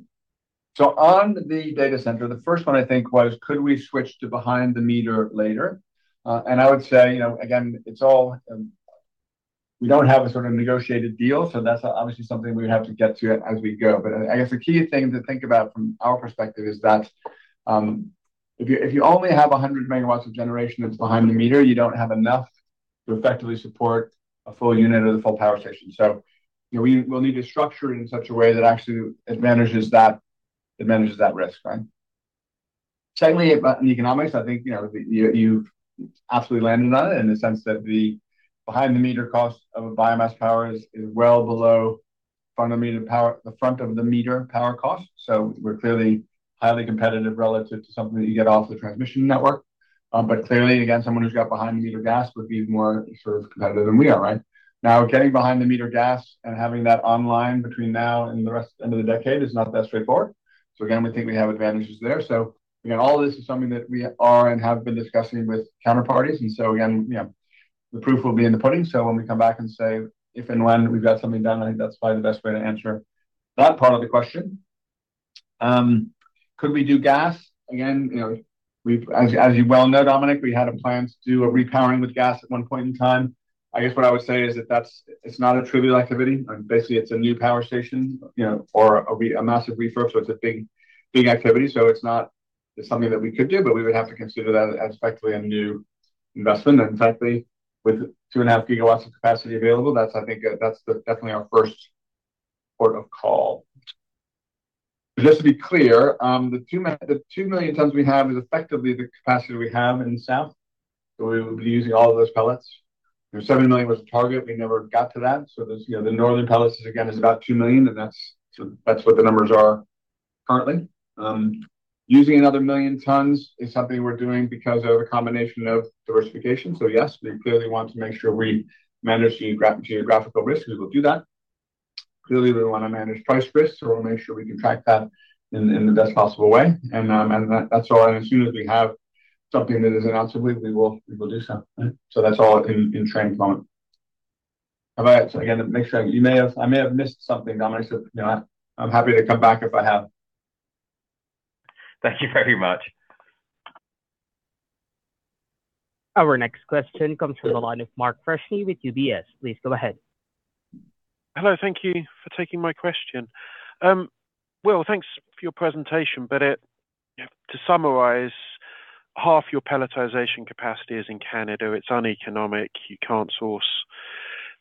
the data center, the first one I think was, could we switch to behind the meter later? I would say, you know, again, it's all, we don't have a sort of negotiated deal, so that's obviously something we have to get to as we go. I guess the key thing to think about from our perspective is that, if you only have 100 MW of generation that's behind the meter, you don't have enough to effectively support a full unit or the full power station. You know, we'll need to structure it in such a way that actually advantages that, it manages that risk, right? Secondly, about the economics, I think, you know, you've absolutely landed on it in the sense that the behind the meter cost of a biomass power is well below front of meter power, the front of the meter power cost. We're clearly highly competitive relative to something that you get off the transmission network. Clearly, again, someone who's got behind the meter gas would be more sort of competitive than we are right? Getting behind the meter gas and having that online between now and the end of the decade is not that straightforward. Again, we think we have advantages there. Again, all this is something that we are and have been discussing with counterparties. Again, you know, the proof will be in the pudding. When we come back and say if and when we've got something done, I think that's probably the best way to answer that part of the question. Could we do gas? Again, you know, as you well know, Dominic, we had a plan to do a repowering with gas at one point in time. I guess what I would say is that that's, it's not a trivial activity. Basically, it's a new power station, you know, or a massive refurb, so it's a big activity. It's not. It's something that we could do, but we would have to consider that as effectively a new investment. Effectively, with 2.5 GW of capacity available, that's, I think, that's the definitely our first port of call. Just to be clear, the 2 million tonnes we have is effectively the capacity we have in the South, so we will be using all of those pellets. The 70 million tonnes was the target, we never got to that. There's, you know, the northern pellets, again, is about 2 million tonnes, and that's what the numbers are currently. Using another 1 million tonnes is something we're doing because of a combination of diversification. Yes, we clearly want to make sure we manage the geographical risk, we will do that. Clearly, we want to manage price risk, so we'll make sure we contract that in the best possible way. That's all, and as soon as we have something that is annunciable, we will do so. That's all in train at the moment. All right. Again, make sure. You may have, I may have missed something, Dominic. You know, I'm happy to come back if I have. Thank you very much. Our next question comes from the line of Mark Freshney with UBS. Please go ahead. Hello, thank you for taking my question. Well, thanks for your presentation, but to summarize, half your pelletization capacity is in Canada. It's uneconomic, you can't source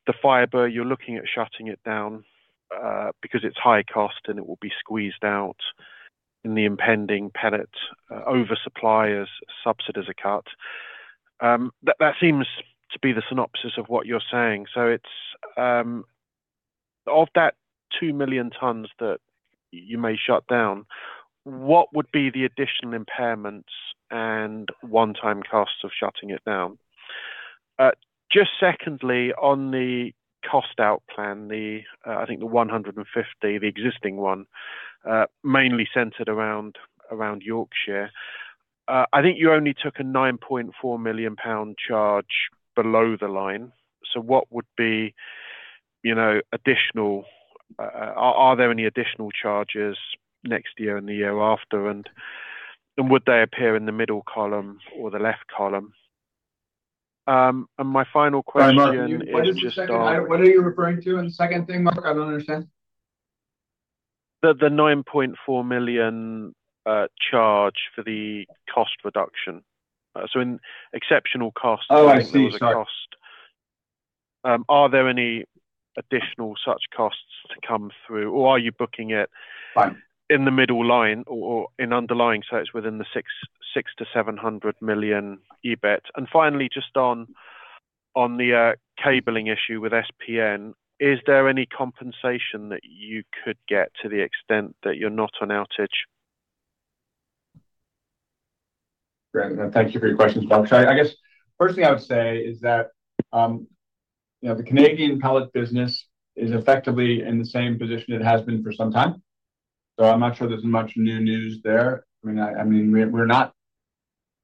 the fiber. You're looking at shutting it down because it's high cost and it will be squeezed out in the impending pellet oversupply as subsidies are cut. That seems to be the synopsis of what you're saying. It's of that 2 million tonnes that you may shut down, what would be the additional impairments and one-time costs of shutting it down? Just secondly, on the cost-out plan, the I think the 150, the existing one, mainly centered around Yorkshire. I think you only took a 9.4 million pound charge below the line. what would be, you know, are there any additional charges next year and the year after, and would they appear in the middle column or the left column? my final question is just— What are you referring to in the second thing, Mark? I don't understand. The 9.4 million charge for the cost reduction. In exceptional costs. Oh, I see. Sorry. The cost. Are there any additional such costs to come through, or are you booking— Right. —In the middle line or in underlying, so it's within the 600 million-700 million EBIT? Finally, just on the cabling issue with SPEN, is there any compensation that you could get to the extent that you're not on outage? Great. Thank you for your questions, Mark. I guess first thing I would say is that, you know, the Canadian pellet business is effectively in the same position it has been for some time. I'm not sure there's much new news there. I mean, we're not.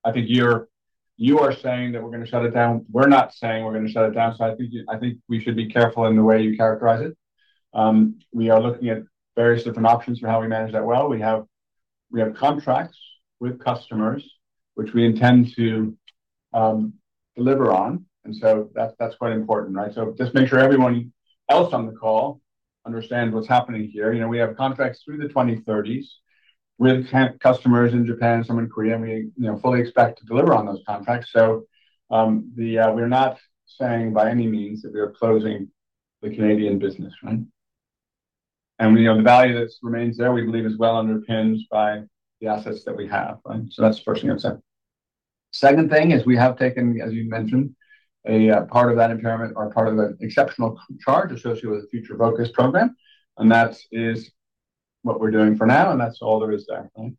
I think you are saying that we're gonna shut it down. We're not saying we're gonna shut it down, I think we should be careful in the way you characterize it. We are looking at various different options for how we manage that well. We have contracts with customers, which we intend to deliver on, that's quite important, right? Just make sure everyone else on the call understand what's happening here. You know, we have contracts through the 2030s with customers in Japan, some in Korea, and we, you know, fully expect to deliver on those contracts. The, we're not saying by any means that we are closing the Canadian business, right? You know, the value that remains there, we believe is well underpinned by the assets that we have, right? That's the first thing I'd say. Second thing is we have taken, as you mentioned, a part of that impairment or part of the exceptional charge associated with the Future Focussed program, and that is what we're doing for now, and that's all there is there, right?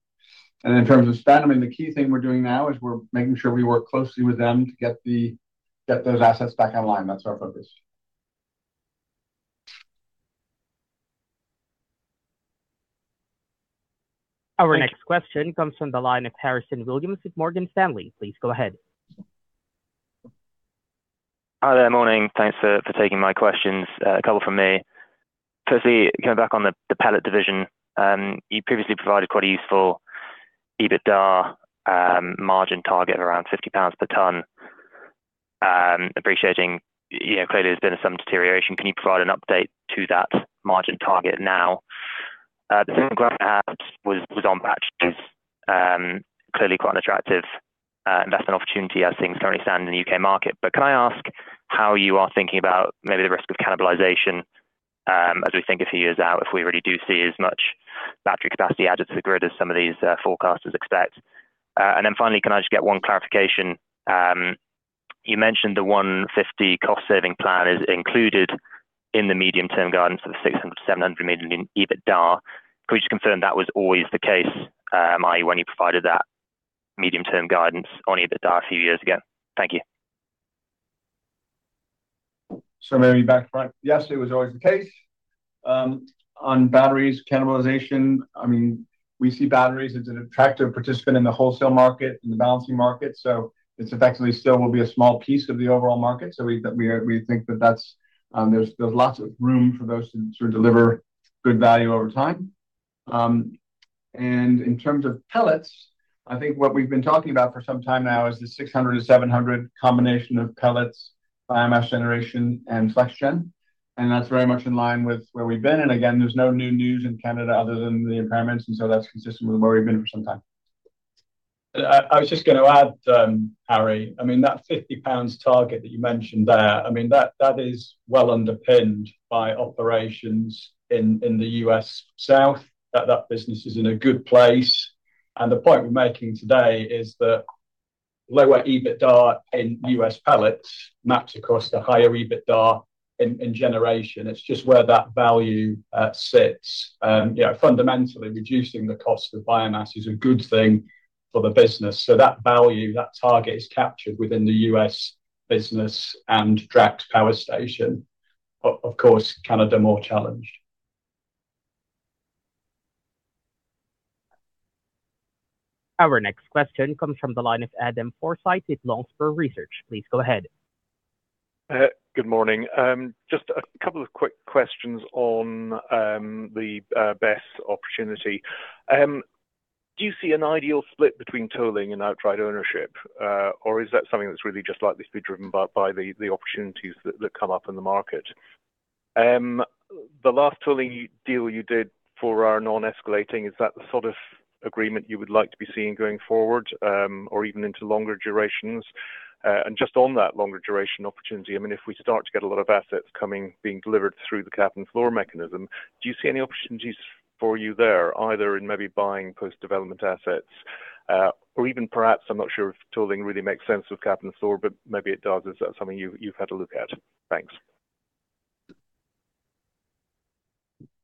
In terms of SPN, I mean, the key thing we're doing now is we're making sure we work closely with them to get those assets back online. That's our focus. Our next question comes from the line of Harrison Williams with Morgan Stanley. Please go ahead. Hi there. Morning. Thanks for taking my questions, a couple from me. Firstly, coming back on the pellet division. You previously provided quite a useful EBITDA margin target of around 50 pounds per tonne. Appreciating, you know, clearly there's been some deterioration. Can you provide an update to that margin target now? The second part was on BESS, clearly quite an attractive investment opportunity as things currently stand in the U.K. market. Can I ask how you are thinking about maybe the risk of cannibalization as we think a few years out, if we really do see as much battery capacity added to the grid as some of these forecasters expect? Finally, can I just get one clarification? You mentioned the 150 cost-saving plan is included in the medium-term guidance for the 600 million-700 million in EBITDA. Could you confirm that was always the case, i.e., when you provided that medium-term guidance on EBITDA a few years ago? Thank you. Maybe back front, yes, it was always the case. On batteries cannibalization, I mean, we see batteries as an attractive participant in the wholesale market, in the balancing market, so it's effectively still will be a small piece of the overall market. We think that that's there's lots of room for those to, sort of, deliver good value over time. In terms of pellets, I think what we've been talking about for some time now is the 600-700 combination of pellets, biomass generation, and FlexGen, and that's very much in line with where we've been. Again, there's no new news in Canada other than the impairments, and so that's consistent with where we've been for some time. I was just gonna add, Harry, I mean, that 50 pounds target that you mentioned there, I mean, that is well underpinned by operations in the U.S. South, that business is in a good place. The point we're making today is that lower EBITDA in U.S. pellets match across the higher EBITDA in generation. It's just where that value sits. You know, fundamentally, reducing the cost of biomass is a good thing for the business. That value, that target, is captured within the U.S. business and Drax power station. Of course, Canada, more challenged. Our next question comes from the line of Adam Forsyth with Longspur Research. Please go ahead. Good morning. Just a couple of quick questions on the BESS opportunity. Do you see an ideal split between tolling and outright ownership? Or is that something that's really just likely to be driven by the opportunities that come up in the market? The last tolling deal you did for our non-escalating, is that the sort of agreement you would like to be seeing going forward, or even into longer durations? Just on that longer duration opportunity, I mean, if we start to get a lot of assets coming, being delivered through the cap and floor mechanism, do you see any opportunities for you there, either in maybe buying post-development assets? or even perhaps, I'm not sure if tolling really makes sense with cap and floor, but maybe it does. Is that something you've had a look at? Thanks.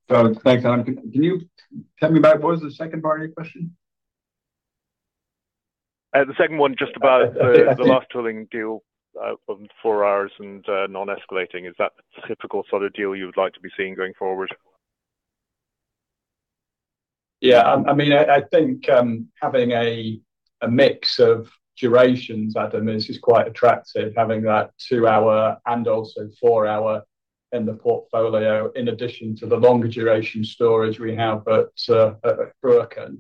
Thanks, Adam. Can you tell me back what was the second part of your question? The second one, just about the last tolling deal, on four hours and non-escalating. Is that the typical sort of deal you would like to be seeing going forward? I mean, I think having a mix of durations, Adam, is quite attractive. Having that two-hour and also four-hour in the portfolio, in addition to the longer duration storage we have at Cruachan.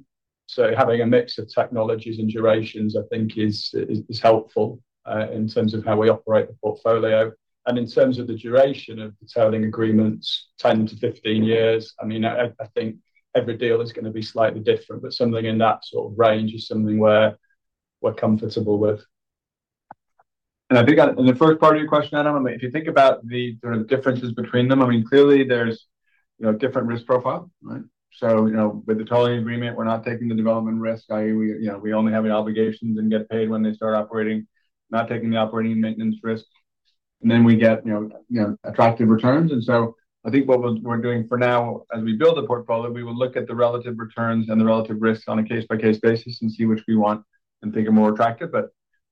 Having a mix of technologies and durations, I think is helpful in terms of how we operate the portfolio. In terms of the duration of the tolling agreements, 10 to 15 years, I mean, I think every deal is gonna be slightly different, but something in that sort of range is something we're comfortable with. I think on the first part of your question, Adam, I mean, if you think about the sort of differences between them, I mean, clearly there's, you know, different risk profile, right? So, you know, with the tolling agreement, we're not taking the development risk, i.e., we, you know, we only have any obligations and get paid when they start operating, not taking the operating and maintenance risk. Then we get, you know, attractive returns. I think what we're doing for now, as we build the portfolio, we will look at the relative returns and the relative risks on a case-by-case basis and see which we want and think are more attractive.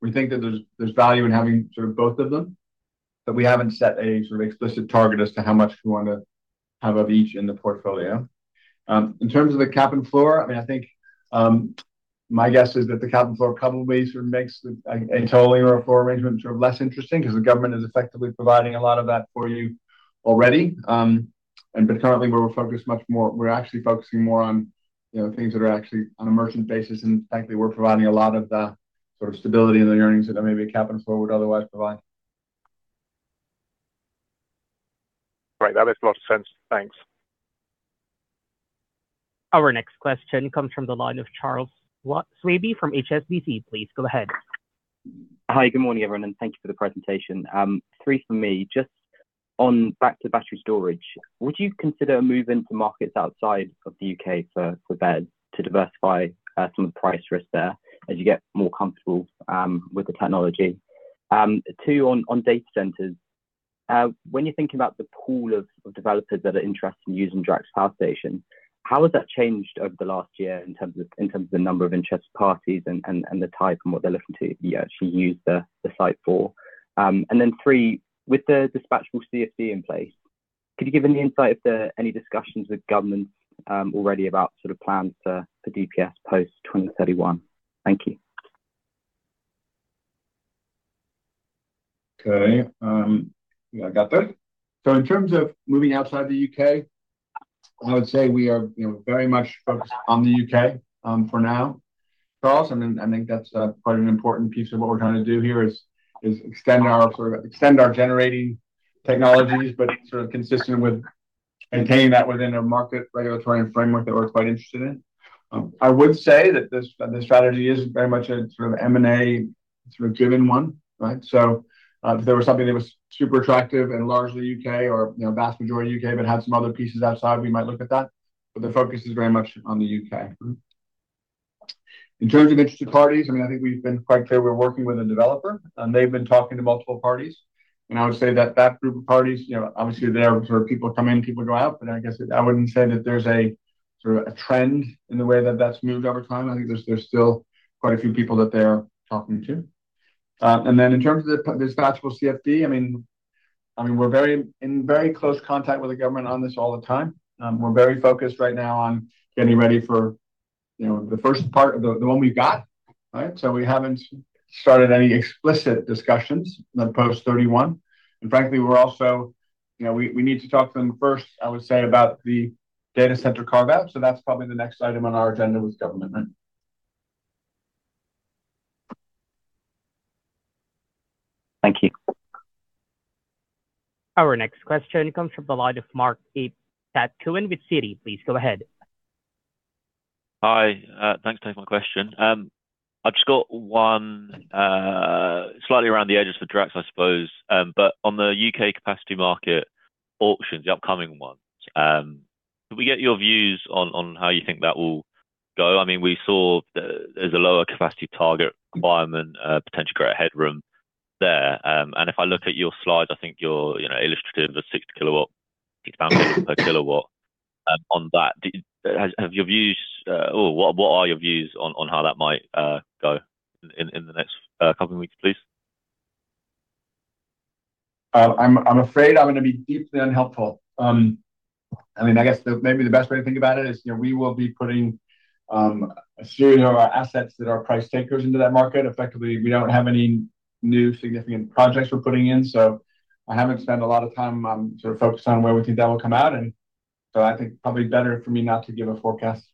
We think that there's value in having sort of both of them, but we haven't set a sort of explicit target as to how much we want to have of each in the portfolio. In terms of the cap and floor, I mean, I think, my guess is that the cap and floor couple base makes the, a tolling or a floor arrangement sort of less interesting because the government is effectively providing a lot of that for you already. Currently, we're actually focusing more on, you know, things that are actually on a merchant basis, and frankly, we're providing a lot of the sort of stability in the earnings that maybe a cap and floor would otherwise provide. Right, that makes a lot of sense. Thanks. Our next question comes from the line of Charles Swabey from HSBC. Please go ahead. Hi, good morning, everyone, thank you for the presentation. Three for me. Just on back to battery storage, would you consider moving to markets outside of the U.K. for BESS to diversify some of the price risk there as you get more comfortable with the technology? Two, on data centers. When you're thinking about the pool of developers that are interested in using Drax Power Station, how has that changed over the last year in terms of the number of interested parties and the type and what they're looking to actually use the site for? Three, with the dispatchable CFD in place, could you give any insight if there are any discussions with government already about sort of plans for DPS post 2031? Thank you. Okay, yeah, I got that. In terms of moving outside the U.K., I would say we are, you know, very much focused on the U.K. for now, Charles. I think that's quite an important piece of what we're trying to do here, is extend our generating technologies, consistent with maintaining that within a market regulatory and framework that we're quite interested in. I would say that this, the strategy is very much a sort of M&A, sort of given one, right? If there was something that was super attractive and largely U.K. or, you know, vast majority U.K., but had some other pieces outside, we might look at that, the focus is very much on the U.K. In terms of interested parties, I mean, I think we've been quite clear, we're working with a developer, and they've been talking to multiple parties. I would say that that group of parties, you know, obviously there sort of people come in, people go out, but I guess I wouldn't say that there's a sort of a trend in the way that that's moved over time. I think there's still quite a few people that they're talking to. Then in terms of the dispatchable CfD, I mean, we're in very close contact with the government on this all the time. We're very focused right now on getting ready for, you know, the first part, the one we've got, right? We haven't started any explicit discussions on post 31. frankly, we're also, you know, we need to talk to them first, I would say, about the data center carve-out. That's probably the next item on our agenda with government. Thank you. Our next question comes from the line of Mark with Citi. Please go ahead. Hi, thanks for taking my question. I've just got one, slightly around the edges for Drax, I suppose. On the U.K. Capacity Market auctions, the upcoming ones, could we get your views on how you think that will go? I mean, we saw the, there's a lower capacity target requirement, potential greater headroom there. If I look at your slides, I think you're, you know, illustrative of 60 kW expansion per kilowatt on that. Have your views, or what are your views on how that might go in the next couple of weeks, please? I'm afraid I'm gonna be deeply unhelpful. I mean, I guess maybe the best way to think about it is, you know, we will be putting, a series of our assets that are price takers into that market. Effectively, we don't have any new significant projects we're putting in, so I haven't spent a lot of time, sort of focused on where we think that will come out. I think probably better for me not to give a forecast.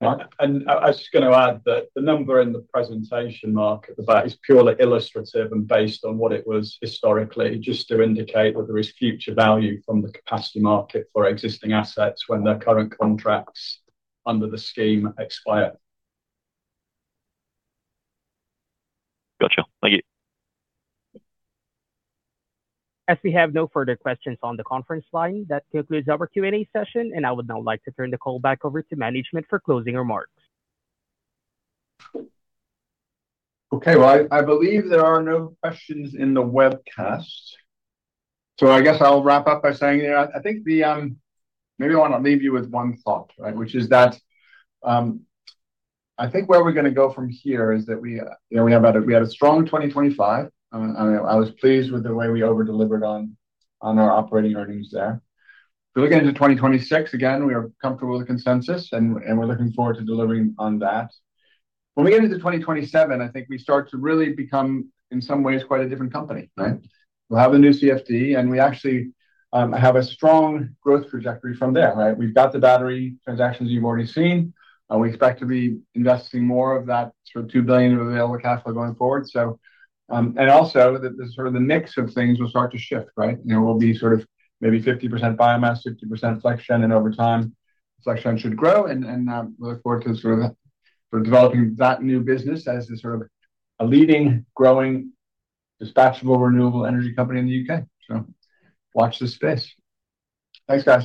I was just gonna add that the number in the presentation, Mark, at the back, is purely illustrative and based on what it was historically, just to indicate that there is future value from the Capacity Market for existing assets when their current contracts under the scheme expire. Gotcha. Thank you. As we have no further questions on the conference line, that concludes our Q&A session, and I would now like to turn the call back over to management for closing remarks. Okay, well, I believe there are no questions in the webcast. I guess I'll wrap up by saying, you know, I think the—maybe I want to leave you with one thought, right? Which is that, I think where we're gonna go from here is that we, you know, we had a strong 2025. I was pleased with the way we over-delivered on our operating earnings there. Looking into 2026, again, we are comfortable with the consensus, and we're looking forward to delivering on that. When we get into 2027, I think we start to really become, in some ways, quite a different company, right? We'll have the new CfD, and we actually have a strong growth trajectory from there, right? We've got the battery transactions you've already seen, and we expect to be investing more of that sort of 2 billion of available capital going forward. The sort of the mix of things will start to shift, right? There will be sort of maybe 50% biomass, 50% FlexGen, and over time, FlexGen should grow, and we look forward to sort of for developing that new business as a sort of a leading, growing, dispatchable renewable energy company in the U.K. Watch this space. Thanks, guys.